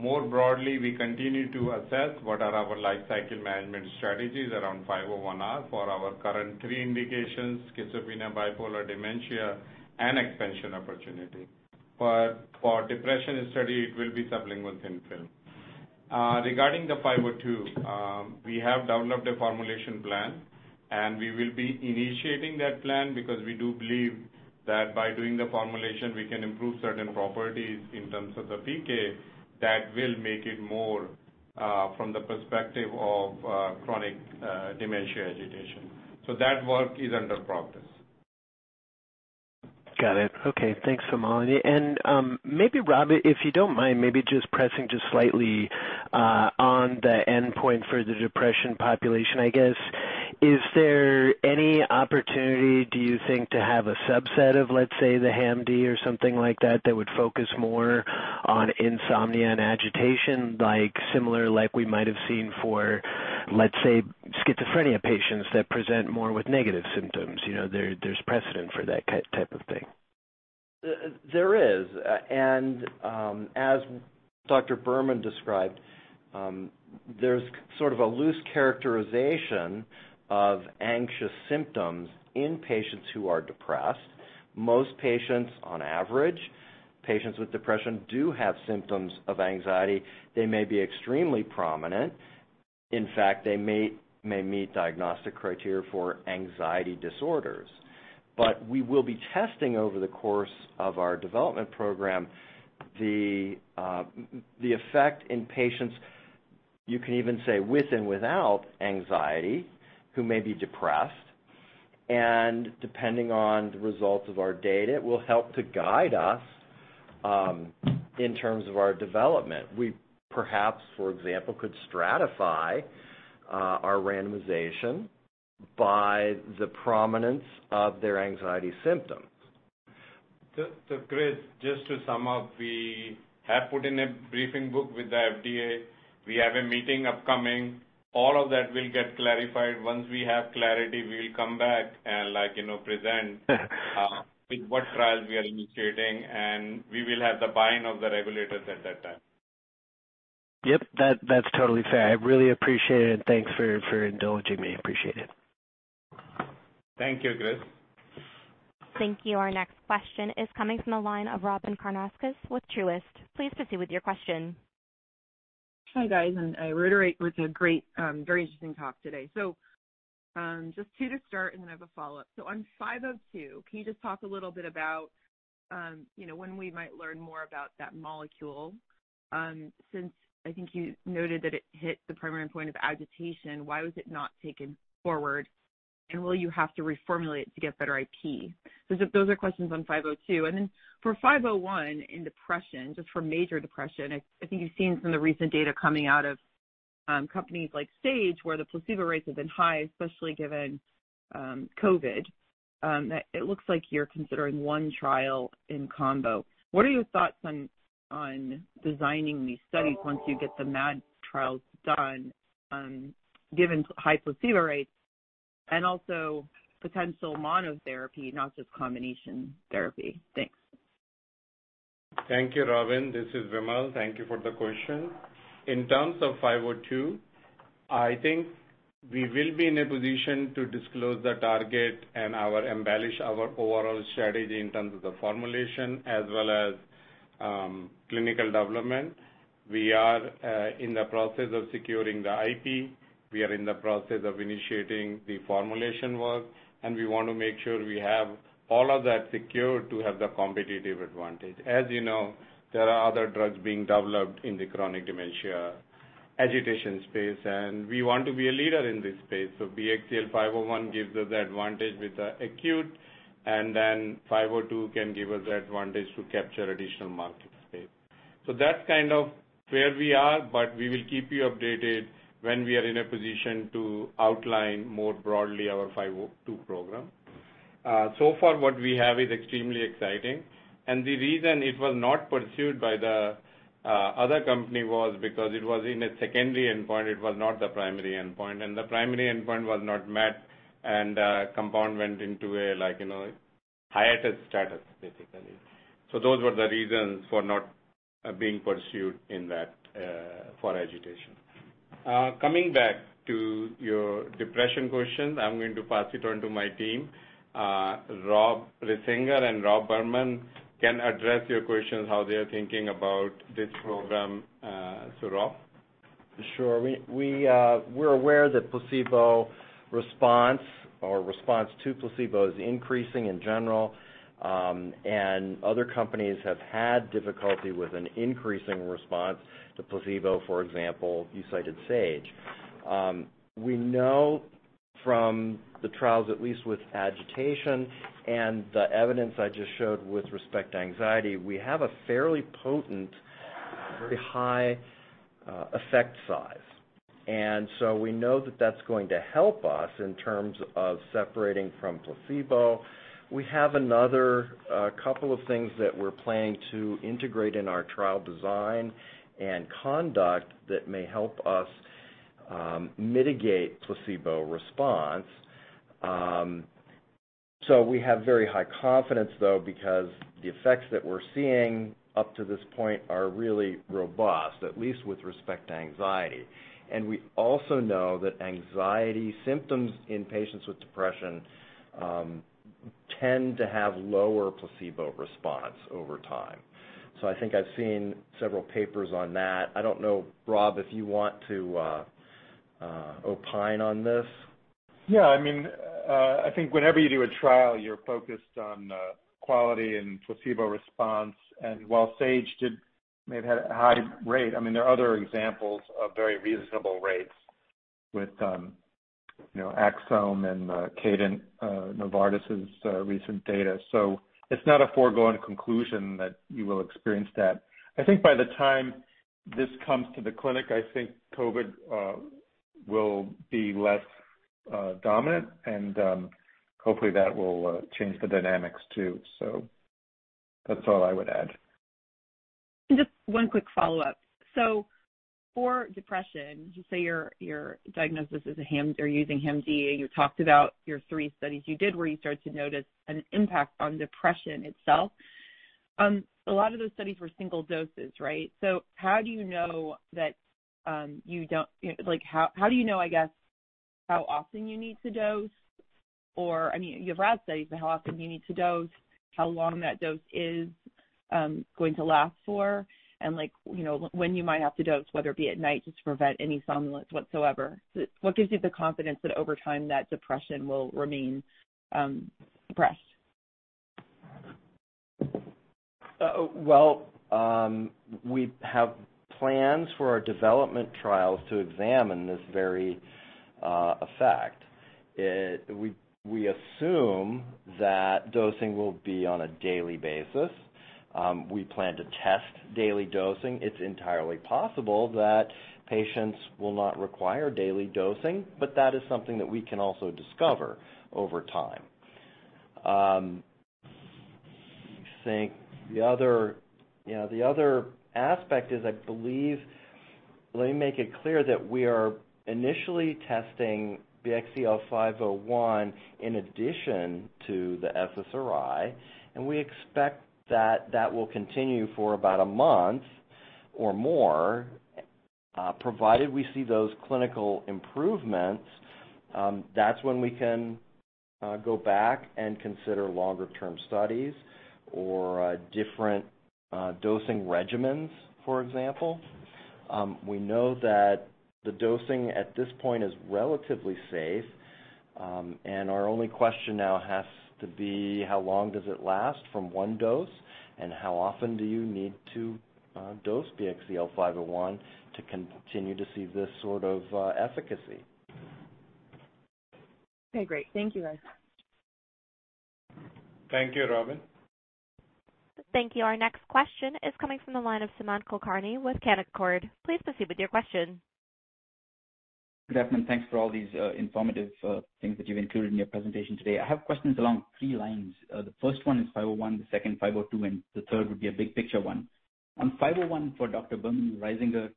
More broadly, we continue to assess what are our lifecycle management strategies around 501R for our current three indications: schizophrenia, bipolar, dementia, and expansion opportunity. For depression study, it will be sublingual thin film. Regarding the 502, we have developed a formulation plan, and we will be initiating that plan because we do believe that by doing the formulation, we can improve certain properties in terms of the PK that will make it more from the perspective of chronic dementia agitation. That work is under progress. Got it. Okay. Thanks, Vimal. Maybe Rob, if you don't mind, maybe just pressing just slightly on the endpoint for the depression population, I guess. Is there any opportunity, do you think, to have a subset of, let's say, the HAM-D or something like that would focus more on insomnia and agitation, similar like we might have seen for, let's say, schizophrenia patients that present more with negative symptoms? There's precedent for that type of thing. There is. As Dr. Berman described, there's sort of a loose characterization of anxious symptoms in patients who are depressed. Most patients, on average, patients with depression do have symptoms of anxiety. They may be extremely prominent. In fact, they may meet diagnostic criteria for anxiety disorders. We will be testing over the course of our development program, the effect in patients, you can even say with and without anxiety, who may be depressed. Depending on the results of our data, it will help to guide us in terms of our development. We perhaps, for example, could stratify our randomization by the prominence of their anxiety symptoms. Chris, just to sum up, we have put in a briefing book with the FDA. We have a meeting upcoming. All of that will get clarified. Once we have clarity, we'll come back and present with what trials we are initiating, and we will have the buy-in of the regulators at that time. Yep. That's totally fair. I really appreciate it, and thanks for indulging me. Appreciate it. Thank you, Chris. Thank you. Our next question is coming from the line of Robyn Karnauskas with Truist. Please proceed with your question. Hi, guys. I reiterate with a great, very interesting talk today. Just two to start. Then I have a follow-up. On 5012, can you just talk a little bit about when we might learn more about that molecule? Since I think you noted that it hit the primary point of agitation, why was it not taken forward, and will you have to reformulate to get better IP? Those are questions on 5012. For 501 in depression, just for major depression, I think you've seen some of the recent data coming out of companies like Sage Therapeutics, where the placebo rates have been high, especially given COVID. It looks like you're considering 1 trial in combo. What are your thoughts on designing these studies once you get the MAD trials done given high placebo rates and also potential monotherapy, not just combination therapy? Thanks. Thank you, Robyn. This is Vimal. Thank you for the question. In terms of 5012, I think we will be in a position to disclose the target and embellish our overall strategy in terms of the formulation as well as clinical development. We are in the process of securing the IP. We are in the process of initiating the formulation work, and we want to make sure we have all of that secured to have the competitive advantage. As you know, there are other drugs being developed in the chronic dementia agitation space, and we want to be a leader in this space. BXCL501 gives us the advantage with the acute, and then 5012 can give us advantage to capture additional market space. That's kind of where we are, but we will keep you updated when we are in a position to outline more broadly our 5012 program. Far what we have is extremely exciting, and the reason it was not pursued by the other company was because it was in a secondary endpoint. It was not the primary endpoint. The primary endpoint was not met and compound went into a hiatus status, basically. Those were the reasons for not being pursued in that for agitation. Coming back to your depression questions, I'm going to pass it on to my team. Robert Risinger and Robert Berman can address your questions, how they are thinking about this program. Rob. Sure. We're aware that placebo response or response to placebo is increasing in general, and other companies have had difficulty with an increasing response to placebo, for example, you cited Sage. We know from the trials, at least with agitation and the evidence I just showed with respect to anxiety, we have a fairly potent, very high effect size. We know that that's going to help us in terms of separating from placebo. We have another couple of things that we're planning to integrate in our trial design and conduct that may help us mitigate placebo response. We have very high confidence, though, because the effects that we're seeing up to this point are really robust, at least with respect to anxiety. We also know that anxiety symptoms in patients with depression tend to have lower placebo response over time. I think I've seen several papers on that. I don't know, Rob, if you want to opine on this. Yeah, I think whenever you do a trial, you're focused on quality and placebo response. While Sage Therapeutics may have had a high rate, there are other examples of very reasonable rates with Axsome Therapeutics and Cadent Therapeutics, Novartis' recent data. It's not a foregone conclusion that you will experience that. I think by the time this comes to the clinic, I think COVID will be less dominant and hopefully that will change the dynamics too. That's all I would add. Just one quick follow-up. For depression, say your diagnosis is, you're using HAM-D. You talked about your three studies you did where you started to notice an impact on depression itself. A lot of those studies were single doses, right? How do you know, I guess, how often you need to dose, or you have RAD studies, but how often do you need to dose, how long that dose is going to last for, and when you might have to dose, whether it be at night just to prevent any somnolence whatsoever? What gives you the confidence that over time that depression will remain suppressed? Well, we have plans for our development trials to examine this very effect. We assume that dosing will be on a daily basis. We plan to test daily dosing. It's entirely possible that patients will not require daily dosing, but that is something that we can also discover over time. Let me make it clear that we are initially testing BXCL501 in addition to the SSRI, and we expect that that will continue for about a month or more. Provided we see those clinical improvements, that's when we can go back and consider longer-term studies or different dosing regimens, for example. We know that the dosing at this point is relatively safe and our only question now has to be how long does it last from one dose and how often do you need to dose BXCL501 to continue to see this sort of efficacy. Okay, great. Thank you, guys. Thank you, Robyn. Thank you. Our next question is coming from the line of Sumant Kulkarni with Canaccord. Please proceed with your question. Good afternoon. Thanks for all these informative things that you've included in your presentation today. I have questions along three lines. The first one is 501, the second 502, and the third would be a big picture one. On 501 for Dr. Berman and Risinger,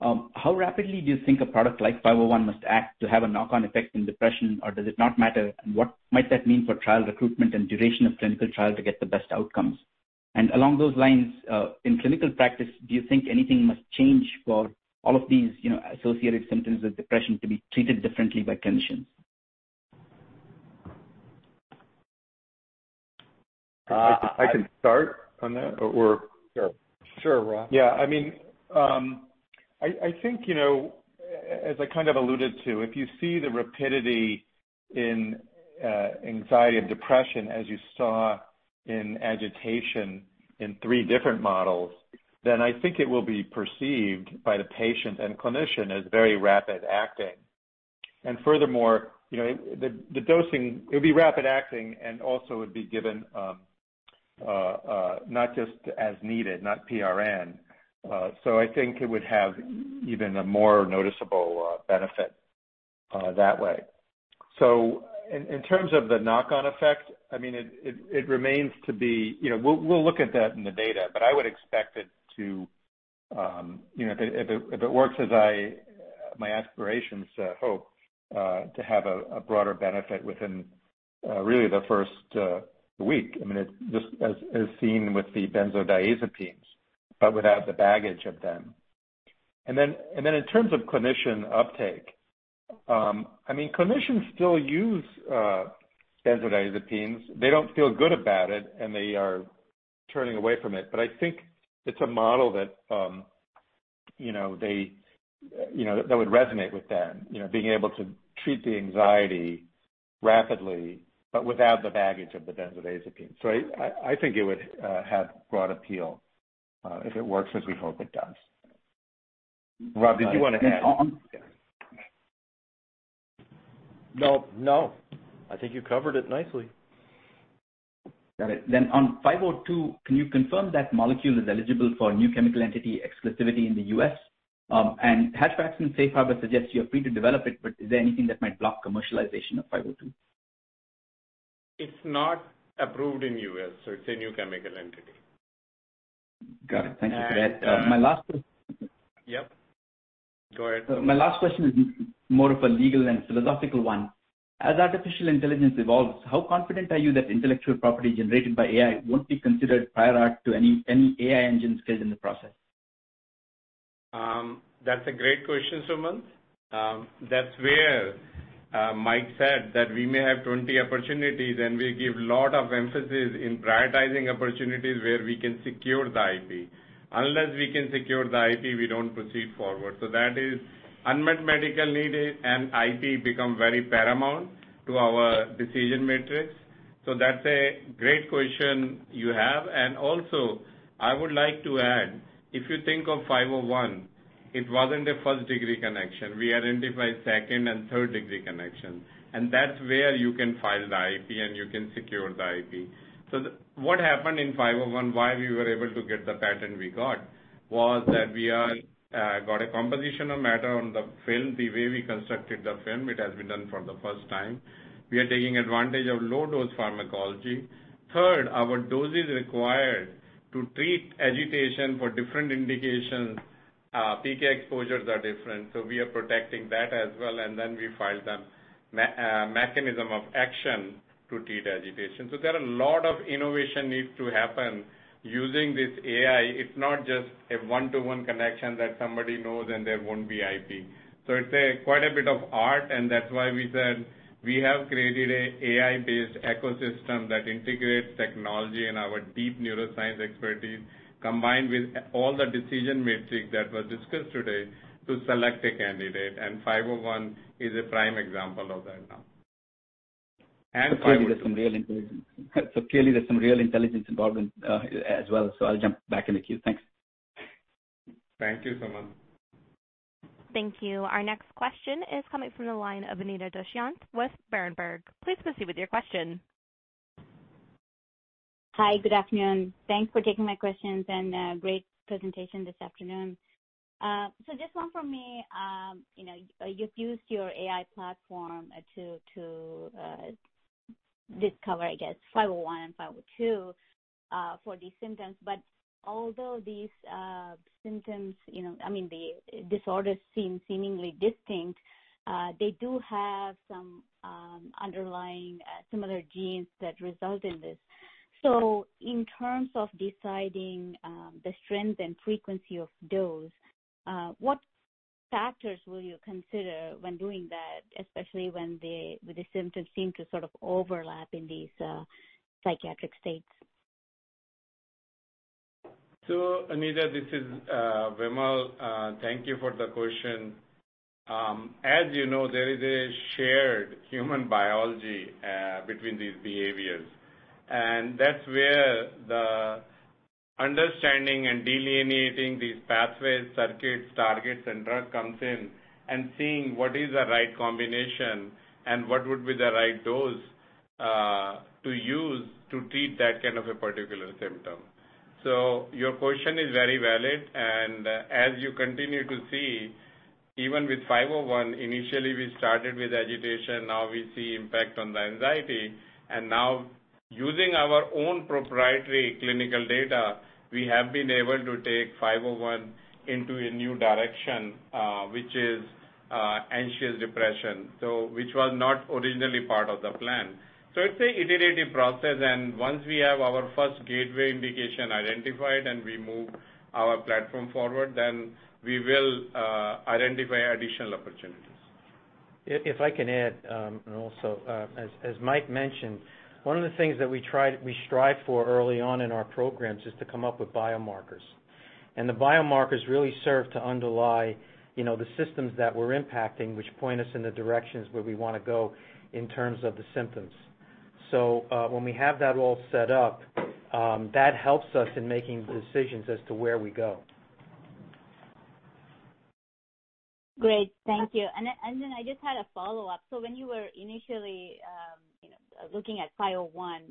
how rapidly do you think a product like 501 must act to have a knock-on effect in depression, or does it not matter? What might that mean for trial recruitment and duration of clinical trial to get the best outcomes? Along those lines, in clinical practice, do you think anything must change for all of these associated symptoms of depression to be treated differently by clinicians? I can start on that. Sure. Sure, Rob. I think, as I kind of alluded to, if you see the rapidity in anxiety and depression as you saw in agitation in three models, I think it will be perceived by the patient and clinician as very rapid acting. Furthermore, it would be rapid acting and also would be given not just as needed, not PRN. I think it would have even a more noticeable benefit that way. In terms of the knock-on effect, we'll look at that in the data, but I would expect it to, if it works as my aspirations hope, to have a broader benefit within really the first week, just as seen with the benzodiazepines, but without the baggage of them. Then in terms of clinician uptake, clinicians still use benzodiazepines. They don't feel good about it, and they are turning away from it. I think it's a model that would resonate with them, being able to treat the anxiety rapidly, but without the baggage of the benzodiazepine. I think it would have broad appeal if it works as we hope it does. Rob, did you want to add? No, I think you covered it nicely. Got it. On 502, can you confirm that molecule is eligible for new chemical entity exclusivity in the U.S.? Hatch-Waxman safe harbor suggests you're free to develop it, but is there anything that might block commercialization of 502? It's not approved in U.S., so it's a new chemical entity. Got it. Thank you for that. Yep. Go ahead. My last question is more of a legal and philosophical one. As artificial intelligence evolves, how confident are you that intellectual property generated by AI won't be considered prior art to any AI engines used in the process? That's a great question, Suman. That's where Mike said that we may have 20 opportunities, and we give lot of emphasis in prioritizing opportunities where we can secure the IP. Unless we can secure the IP, we don't proceed forward. That is unmet medical need and IP become very paramount to our decision matrix. That's a great question you have, and also I would like to add, if you think of 501, it wasn't a first-degree connection. We identified second and third-degree connections, and that's where you can file the IP and you can secure the IP. What happened in 501, why we were able to get the patent we got, was that we got a composition of matter on the film, the way we constructed the film, it has been done for the first time. We are taking advantage of low-dose pharmacology. Third, our doses required to treat agitation for different indications, PK exposures are different, so we are protecting that as well, and then we file them mechanism of action to treat agitation. There are a lot of innovation needs to happen using this AI. It's not just a one-to-one connection that somebody knows and there won't be IP. It's quite a bit of art, and that's why we said we have created a AI-based ecosystem that integrates technology and our deep neuroscience expertise, combined with all the decision metrics that were discussed today to select a candidate, and 501 is a prime example of that now. Clearly, there's some real intelligence involved in as well. I'll jump back in the queue. Thanks. Thank you, Suman. Thank you. Our next question is coming from the line of Anita Doshi with Berenberg. Please proceed with your question. Hi. Good afternoon. Thanks for taking my questions. Great presentation this afternoon. Just one for me. You've used your AI platform to discover, I guess, 501 and 502 for these symptoms. Although these symptoms, I mean, the disorders seem seemingly distinct, they do have some underlying similar genes that result in this. In terms of deciding the strength and frequency of dose, what factors will you consider when doing that, especially when the symptoms seem to sort of overlap in these psychiatric states? Anita, this is Vimal. Thank you for the question. As you know, there is a shared human biology between these behaviors, and that's where the understanding and delineating these pathways, circuits, targets, and drug comes in, and seeing what is the right combination and what would be the right dose to use to treat that kind of a particular symptom. Your question is very valid, and as you continue to see, even with 501, initially we started with agitation. Now using our own proprietary clinical data, we have been able to take 501 into a new direction, which is anxious depression, which was not originally part of the plan. It's an iterative process, and once we have our first gateway indication identified and we move our platform forward, then we will identify additional opportunities. If I can add also, as Mike mentioned, one of the things that we strive for early on in our programs is to come up with biomarkers. The biomarkers really serve to underlie the systems that we're impacting, which point us in the directions where we want to go in terms of the symptoms. When we have that all set up, that helps us in making decisions as to where we go. Great. Thank you. I just had a follow-up. When you were initially looking at 501,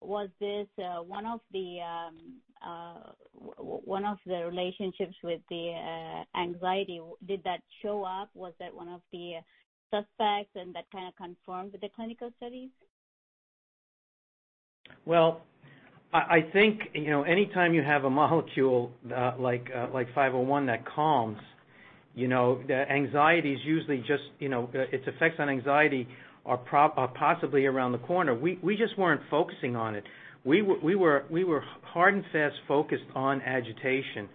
was this one of the relationships with the anxiety? Did that show up? Was that one of the suspects and that kind of confirmed with the clinical studies? Well, I think anytime you have a molecule like 501 that calms, its effects on anxiety are possibly around the corner. We just weren't focusing on it. We were hard and fast focused on agitation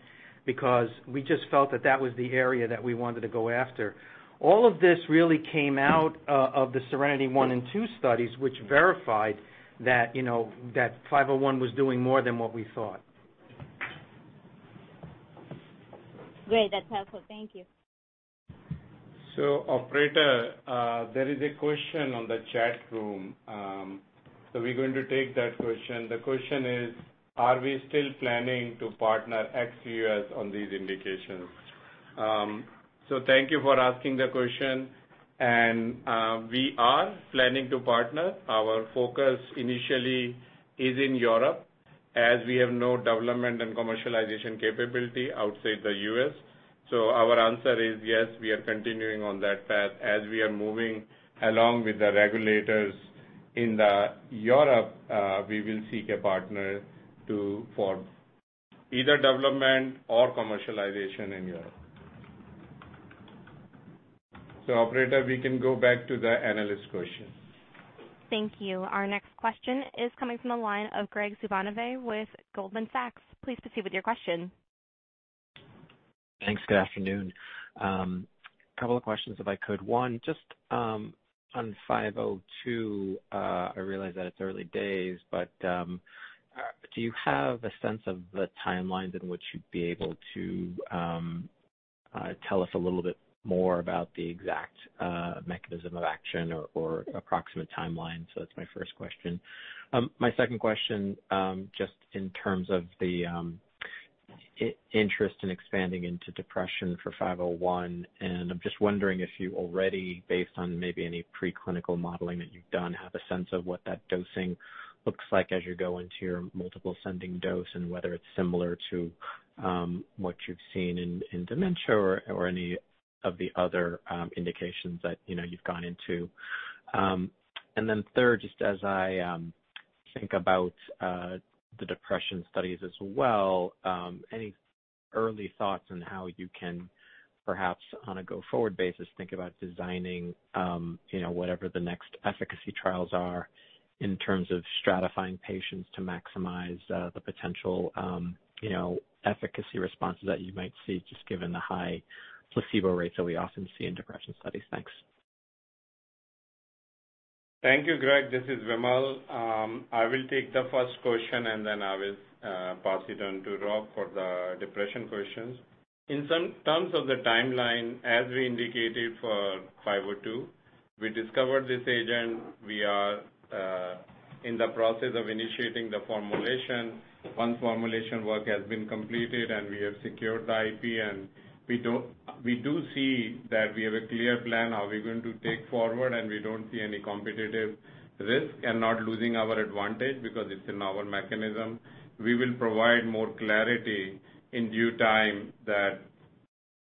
because we just felt that that was the area that we wanted to go after. All of this really came out of the SERENITY I and II studies, which verified that 501 was doing more than what we thought. Great. That's helpful. Thank you. Operator, there is a question on the chat room. We're going to take that question. The question is: Are we still planning to partner ex-U.S. on these indications? Thank you for asking the question. We are planning to partner. Our focus initially is in Europe, as we have no development and commercialization capability outside the U.S. Our answer is, yes, we are continuing on that path. As we are moving along with the regulators in Europe, we will seek a partner for either development or commercialization in Europe. Operator, we can go back to the analyst questions. Thank you. Our next question is coming from the line of Graig Suvannavejh with Goldman Sachs. Please proceed with your question. Thanks. Good afternoon. Couple of questions if I could. One, just on BXCL502, I realize that it's early days, but do you have a sense of the timelines in which you'd be able to tell us a little bit more about the exact mechanism of action or approximate timeline? That's my first question. My second question, just in terms of the interest in expanding into depression for BXCL501, and I'm just wondering if you already, based on maybe any preclinical modeling that you've done, have a sense of what that dosing looks like as you go into your multiple ascending dose and whether it's similar to what you've seen in dementia or any of the other indications that you've gone into. Third, just as I think about the depression studies as well, any early thoughts on how you can perhaps on a go-forward basis, think about designing whatever the next efficacy trials are in terms of stratifying patients to maximize the potential efficacy responses that you might see, just given the high placebo rates that we often see in depression studies. Thanks. Thank you, Greg. This is Vimal. I will take the first question and then I will pass it on to Rob for the depression questions. In terms of the timeline, as we indicated for 502, we discovered this agent. We are in the process of initiating the formulation. Once formulation work has been completed and we have secured the IP, and we do see that we have a clear plan how we're going to take forward, and we don't see any competitive risk and not losing our advantage because it's in our mechanism. We will provide more clarity in due time that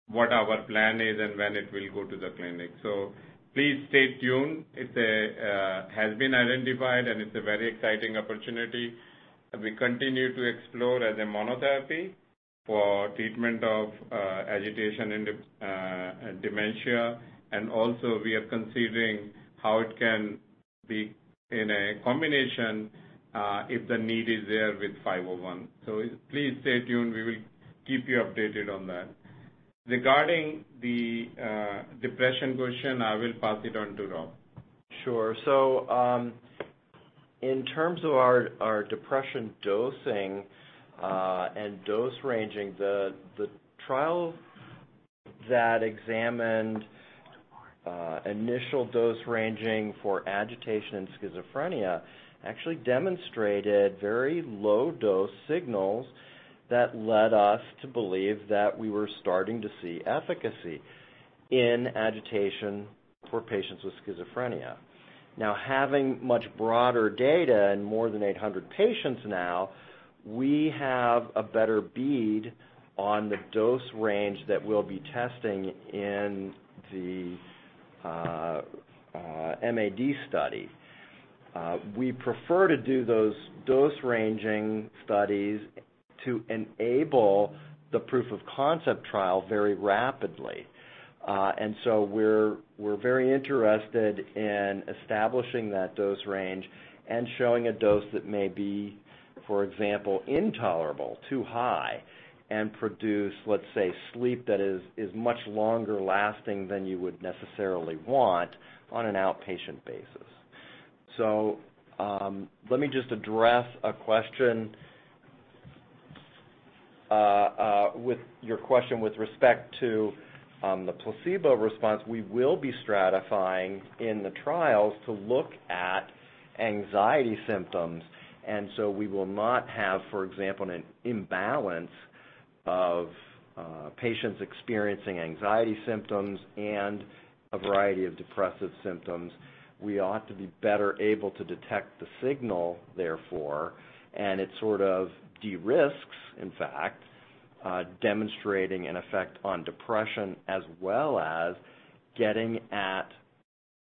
what our plan is and when it will go to the clinic. Please stay tuned. It has been identified, and it's a very exciting opportunity as we continue to explore as a monotherapy for treatment of agitation in dementia. Also we are considering how it can be in a combination, if the need is there with 501. Please stay tuned. We will keep you updated on that. Regarding the depression question, I will pass it on to Rob. Sure. In terms of our depression dosing and dose ranging, the trial that examined initial dose ranging for agitation in schizophrenia actually demonstrated very low dose signals that led us to believe that we were starting to see efficacy in agitation for patients with schizophrenia. Now, having much broader data in more than 800 patients now, we have a better bead on the dose range that we'll be testing in the MAD study. We prefer to do those dose ranging studies to enable the proof of concept trial very rapidly. We're very interested in establishing that dose range and showing a dose that may be, for example, intolerable, too high, and produce, let's say, sleep that is much longer lasting than you would necessarily want on an outpatient basis. Let me just address your question with respect to the placebo response. We will be stratifying in the trials to look at anxiety symptoms. We will not have, for example, an imbalance of patients experiencing anxiety symptoms and a variety of depressive symptoms. We ought to be better able to detect the signal, therefore. It sort of de-risks, in fact, demonstrating an effect on depression as well as getting at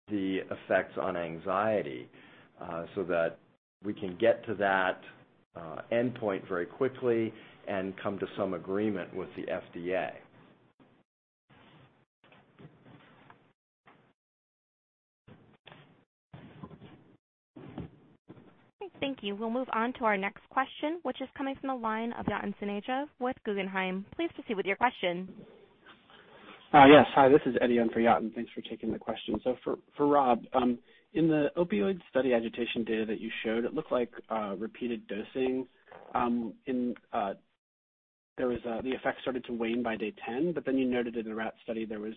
the effects on anxiety, we can get to that endpoint very quickly and come to some agreement with the FDA. Thank you. We'll move on to our next question, which is coming from the line of Yatin Suneja with Guggenheim. Please proceed with your question. Yes. Hi. This is Eddy in for Yatin. Thanks for taking the question. For Rob, in the opioid study agitation data that you showed, it looked like repeated dosing the effects started to wane by day 10, but then you noted in the rat study there was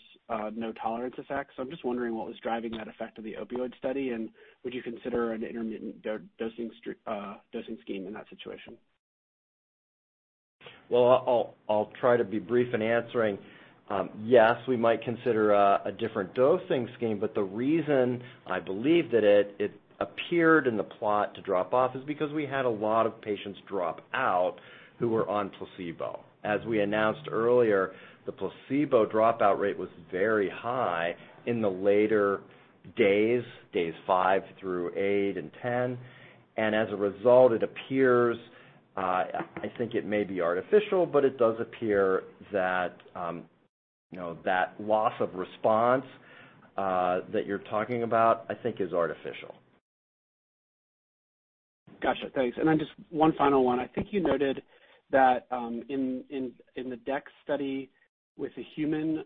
no tolerance effect. I'm just wondering what was driving that effect of the opioid study, and would you consider an intermittent dosing scheme in that situation? Well, I'll try to be brief in answering. Yes, we might consider a different dosing scheme, but the reason I believe that it appeared in the plot to drop off is because we had a lot of patients drop out who were on placebo. As we announced earlier, the placebo dropout rate was very high in the later days five through eight and 10, and as a result, it appears, I think it may be artificial, but it does appear that loss of response that you're talking about, I think is artificial. Got you. Thanks. Then just one final one. I think you noted that in the dex study with the human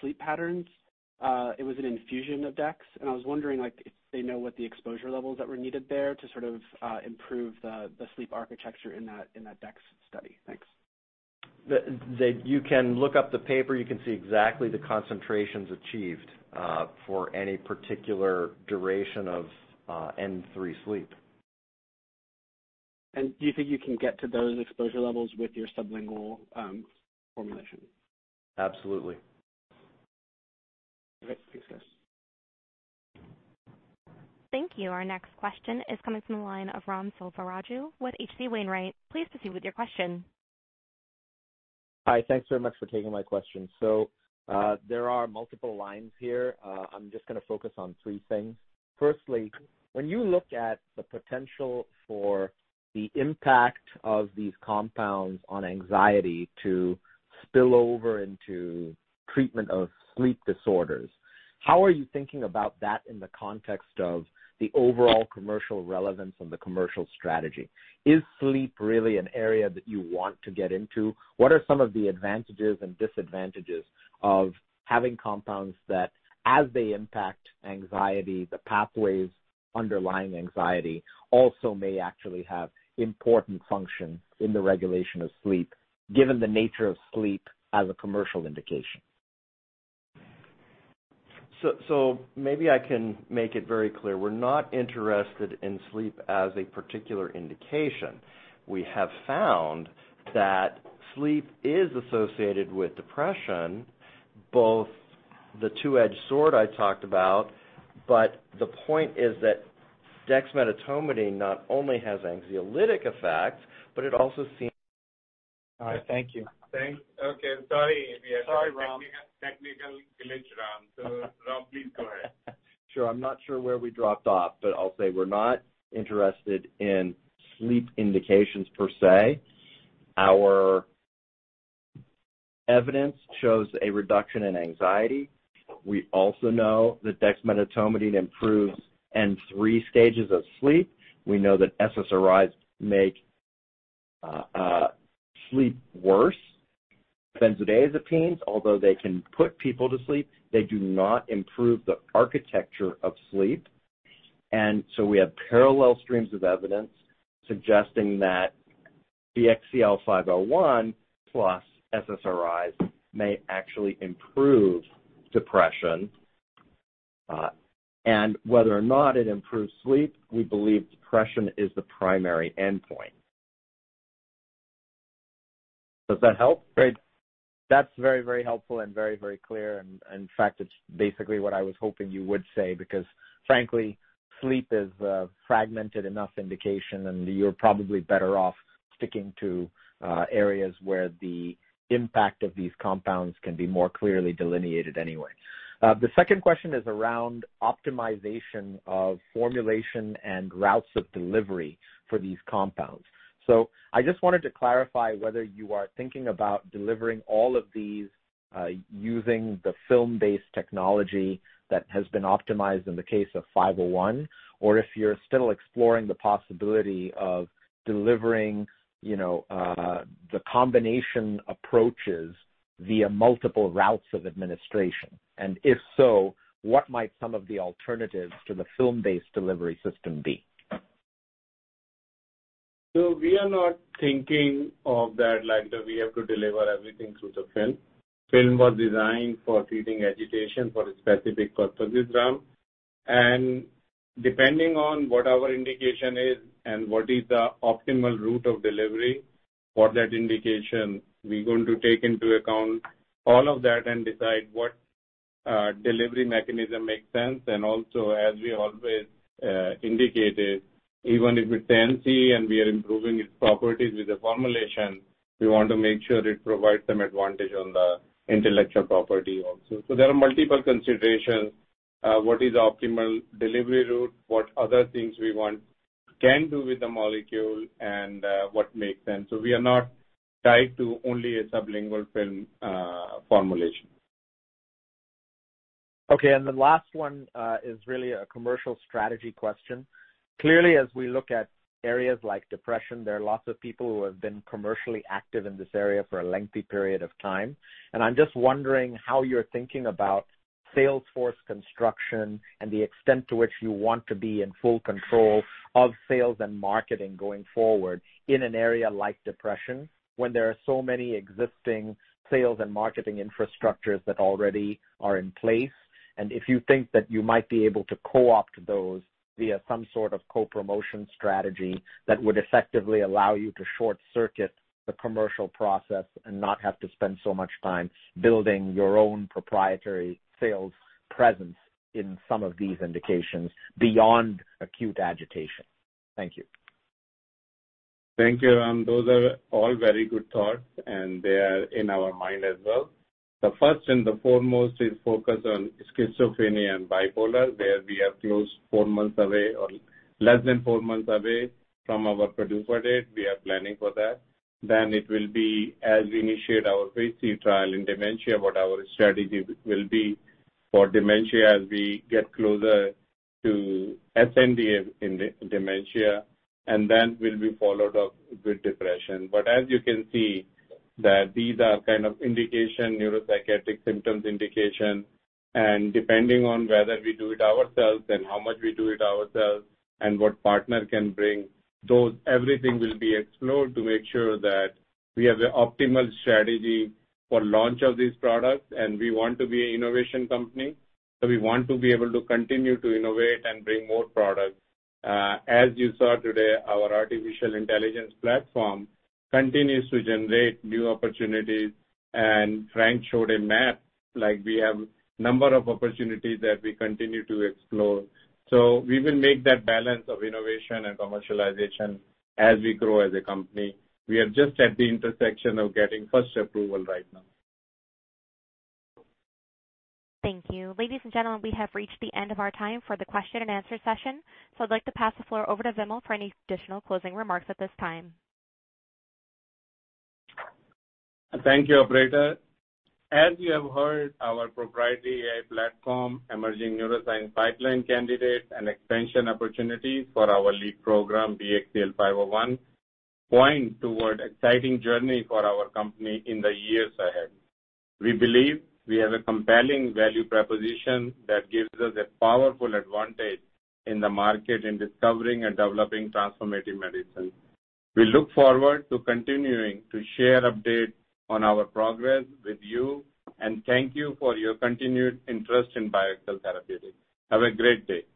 sleep patterns, it was an infusion of dex, and I was wondering if they know what the exposure levels that were needed there to sort of improve the sleep architecture in that dex study. Thanks. You can look up the paper. You can see exactly the concentrations achieved for any particular duration of N3 sleep. Do you think you can get to those exposure levels with your sublingual formulation? Absolutely. Great. Thanks, guys. Thank you. Our next question is coming from the line of Ram Selvaraju with H.C. Wainwright & Co. Please proceed with your question. Hi. Thanks very much for taking my question. There are multiple lines here. I'm just going to focus on three things. Firstly, when you look at the potential for the impact of these compounds on anxiety to spill over into treatment of sleep disorders, how are you thinking about that in the context of the overall commercial relevance and the commercial strategy? Is sleep really an area that you want to get into? What are some of the advantages and disadvantages of having compounds that, as they impact anxiety, the pathways underlying anxiety also may actually have important function in the regulation of sleep, given the nature of sleep as a commercial indication? Maybe I can make it very clear. We're not interested in sleep as a particular indication. We have found that sleep is associated with depression, both the two-edged sword I talked about, but the point is that dexmedetomidine not only has anxiolytic effects. All right. Thank you. Thanks. Okay. Sorry. Sorry, Ram. We had a technical glitch, Ram. Ram, please go ahead. Sure. I'm not sure where we dropped off, I'll say we're not interested in sleep indications per se. Our evidence shows a reduction in anxiety. We also know that dexmedetomidine improves N3 stages of sleep. We know that SSRIs make sleep worse. Benzodiazepines, although they can put people to sleep, they do not improve the architecture of sleep. We have parallel streams of evidence suggesting that BXCL501 plus SSRIs may actually improve depression. Whether or not it improves sleep, we believe depression is the primary endpoint. Does that help? Great. That's very, very helpful and very, very clear, and in fact, it's basically what I was hoping you would say, because frankly, sleep is a fragmented enough indication, and you're probably better off sticking to areas where the impact of these compounds can be more clearly delineated anyway. The second question is around optimization of formulation and routes of delivery for these compounds. I just wanted to clarify whether you are thinking about delivering all of these using the film-based technology that has been optimized in the case of BXCL501, or if you're still exploring the possibility of delivering the combination approaches via multiple routes of administration. If so, what might some of the alternatives to the film-based delivery system be? We are not thinking of that like that we have to deliver everything through the film. Film was designed for treating agitation for a specific purpose, Ram. Depending on what our indication is and what is the optimal route of delivery for that indication, we're going to take into account all of that and decide what delivery mechanism makes sense, and also, as we always indicated, even if it's NCE and we are improving its properties with the formulation, we want to make sure it provides some advantage on the intellectual property also. There are multiple considerations. What is the optimal delivery route, what other things we can do with the molecule, and what makes sense. We are not tied to only a sublingual film formulation. Okay, the last one is really a commercial strategy question. Clearly, as we look at areas like depression, there are lots of people who have been commercially active in this area for a lengthy period of time. I'm just wondering how you're thinking about sales force construction and the extent to which you want to be in full control of sales and marketing going forward in an area like depression, when there are so many existing sales and marketing infrastructures that already are in place. If you think that you might be able to co-opt those via some sort of co-promotion strategy that would effectively allow you to short-circuit the commercial process and not have to spend so much time building your own proprietary sales presence in some of these indications beyond acute agitation. Thank you. Thank you, Ram. Those are all very good thoughts. They are in our mind as well. The first and the foremost is focus on schizophrenia and bipolar, where we are close, four months away, or less than four months away from our PDUFA date. We are planning for that. It will be as we initiate our phase III trial in dementia, what our strategy will be for dementia as we get closer to NDA in dementia, and then will be followed up with depression. As you can see that these are kind of indication, neuropsychiatric symptoms indication, and depending on whether we do it ourselves and how much we do it ourselves and what partner can bring, everything will be explored to make sure that we have the optimal strategy for launch of these products. We want to be an innovation company, so we want to be able to continue to innovate and bring more products. As you saw today, our artificial intelligence platform continues to generate new opportunities, and Frank showed a map. We have number of opportunities that we continue to explore. We will make that balance of innovation and commercialization as we grow as a company. We are just at the intersection of getting first approval right now. Thank you. Ladies and gentlemen, we have reached the end of our time for the question and answer session, so I'd like to pass the floor over to Vimal for any additional closing remarks at this time. Thank you, operator. As you have heard, our proprietary AI platform, emerging neuroscience pipeline candidates, and expansion opportunities for our lead program, BXCL501, point toward exciting journey for our company in the years ahead. We believe we have a compelling value proposition that gives us a powerful advantage in the market in discovering and developing transformative medicine. We look forward to continuing to share updates on our progress with you, and thank you for your continued interest in BioXcel Therapeutics. Have a great day.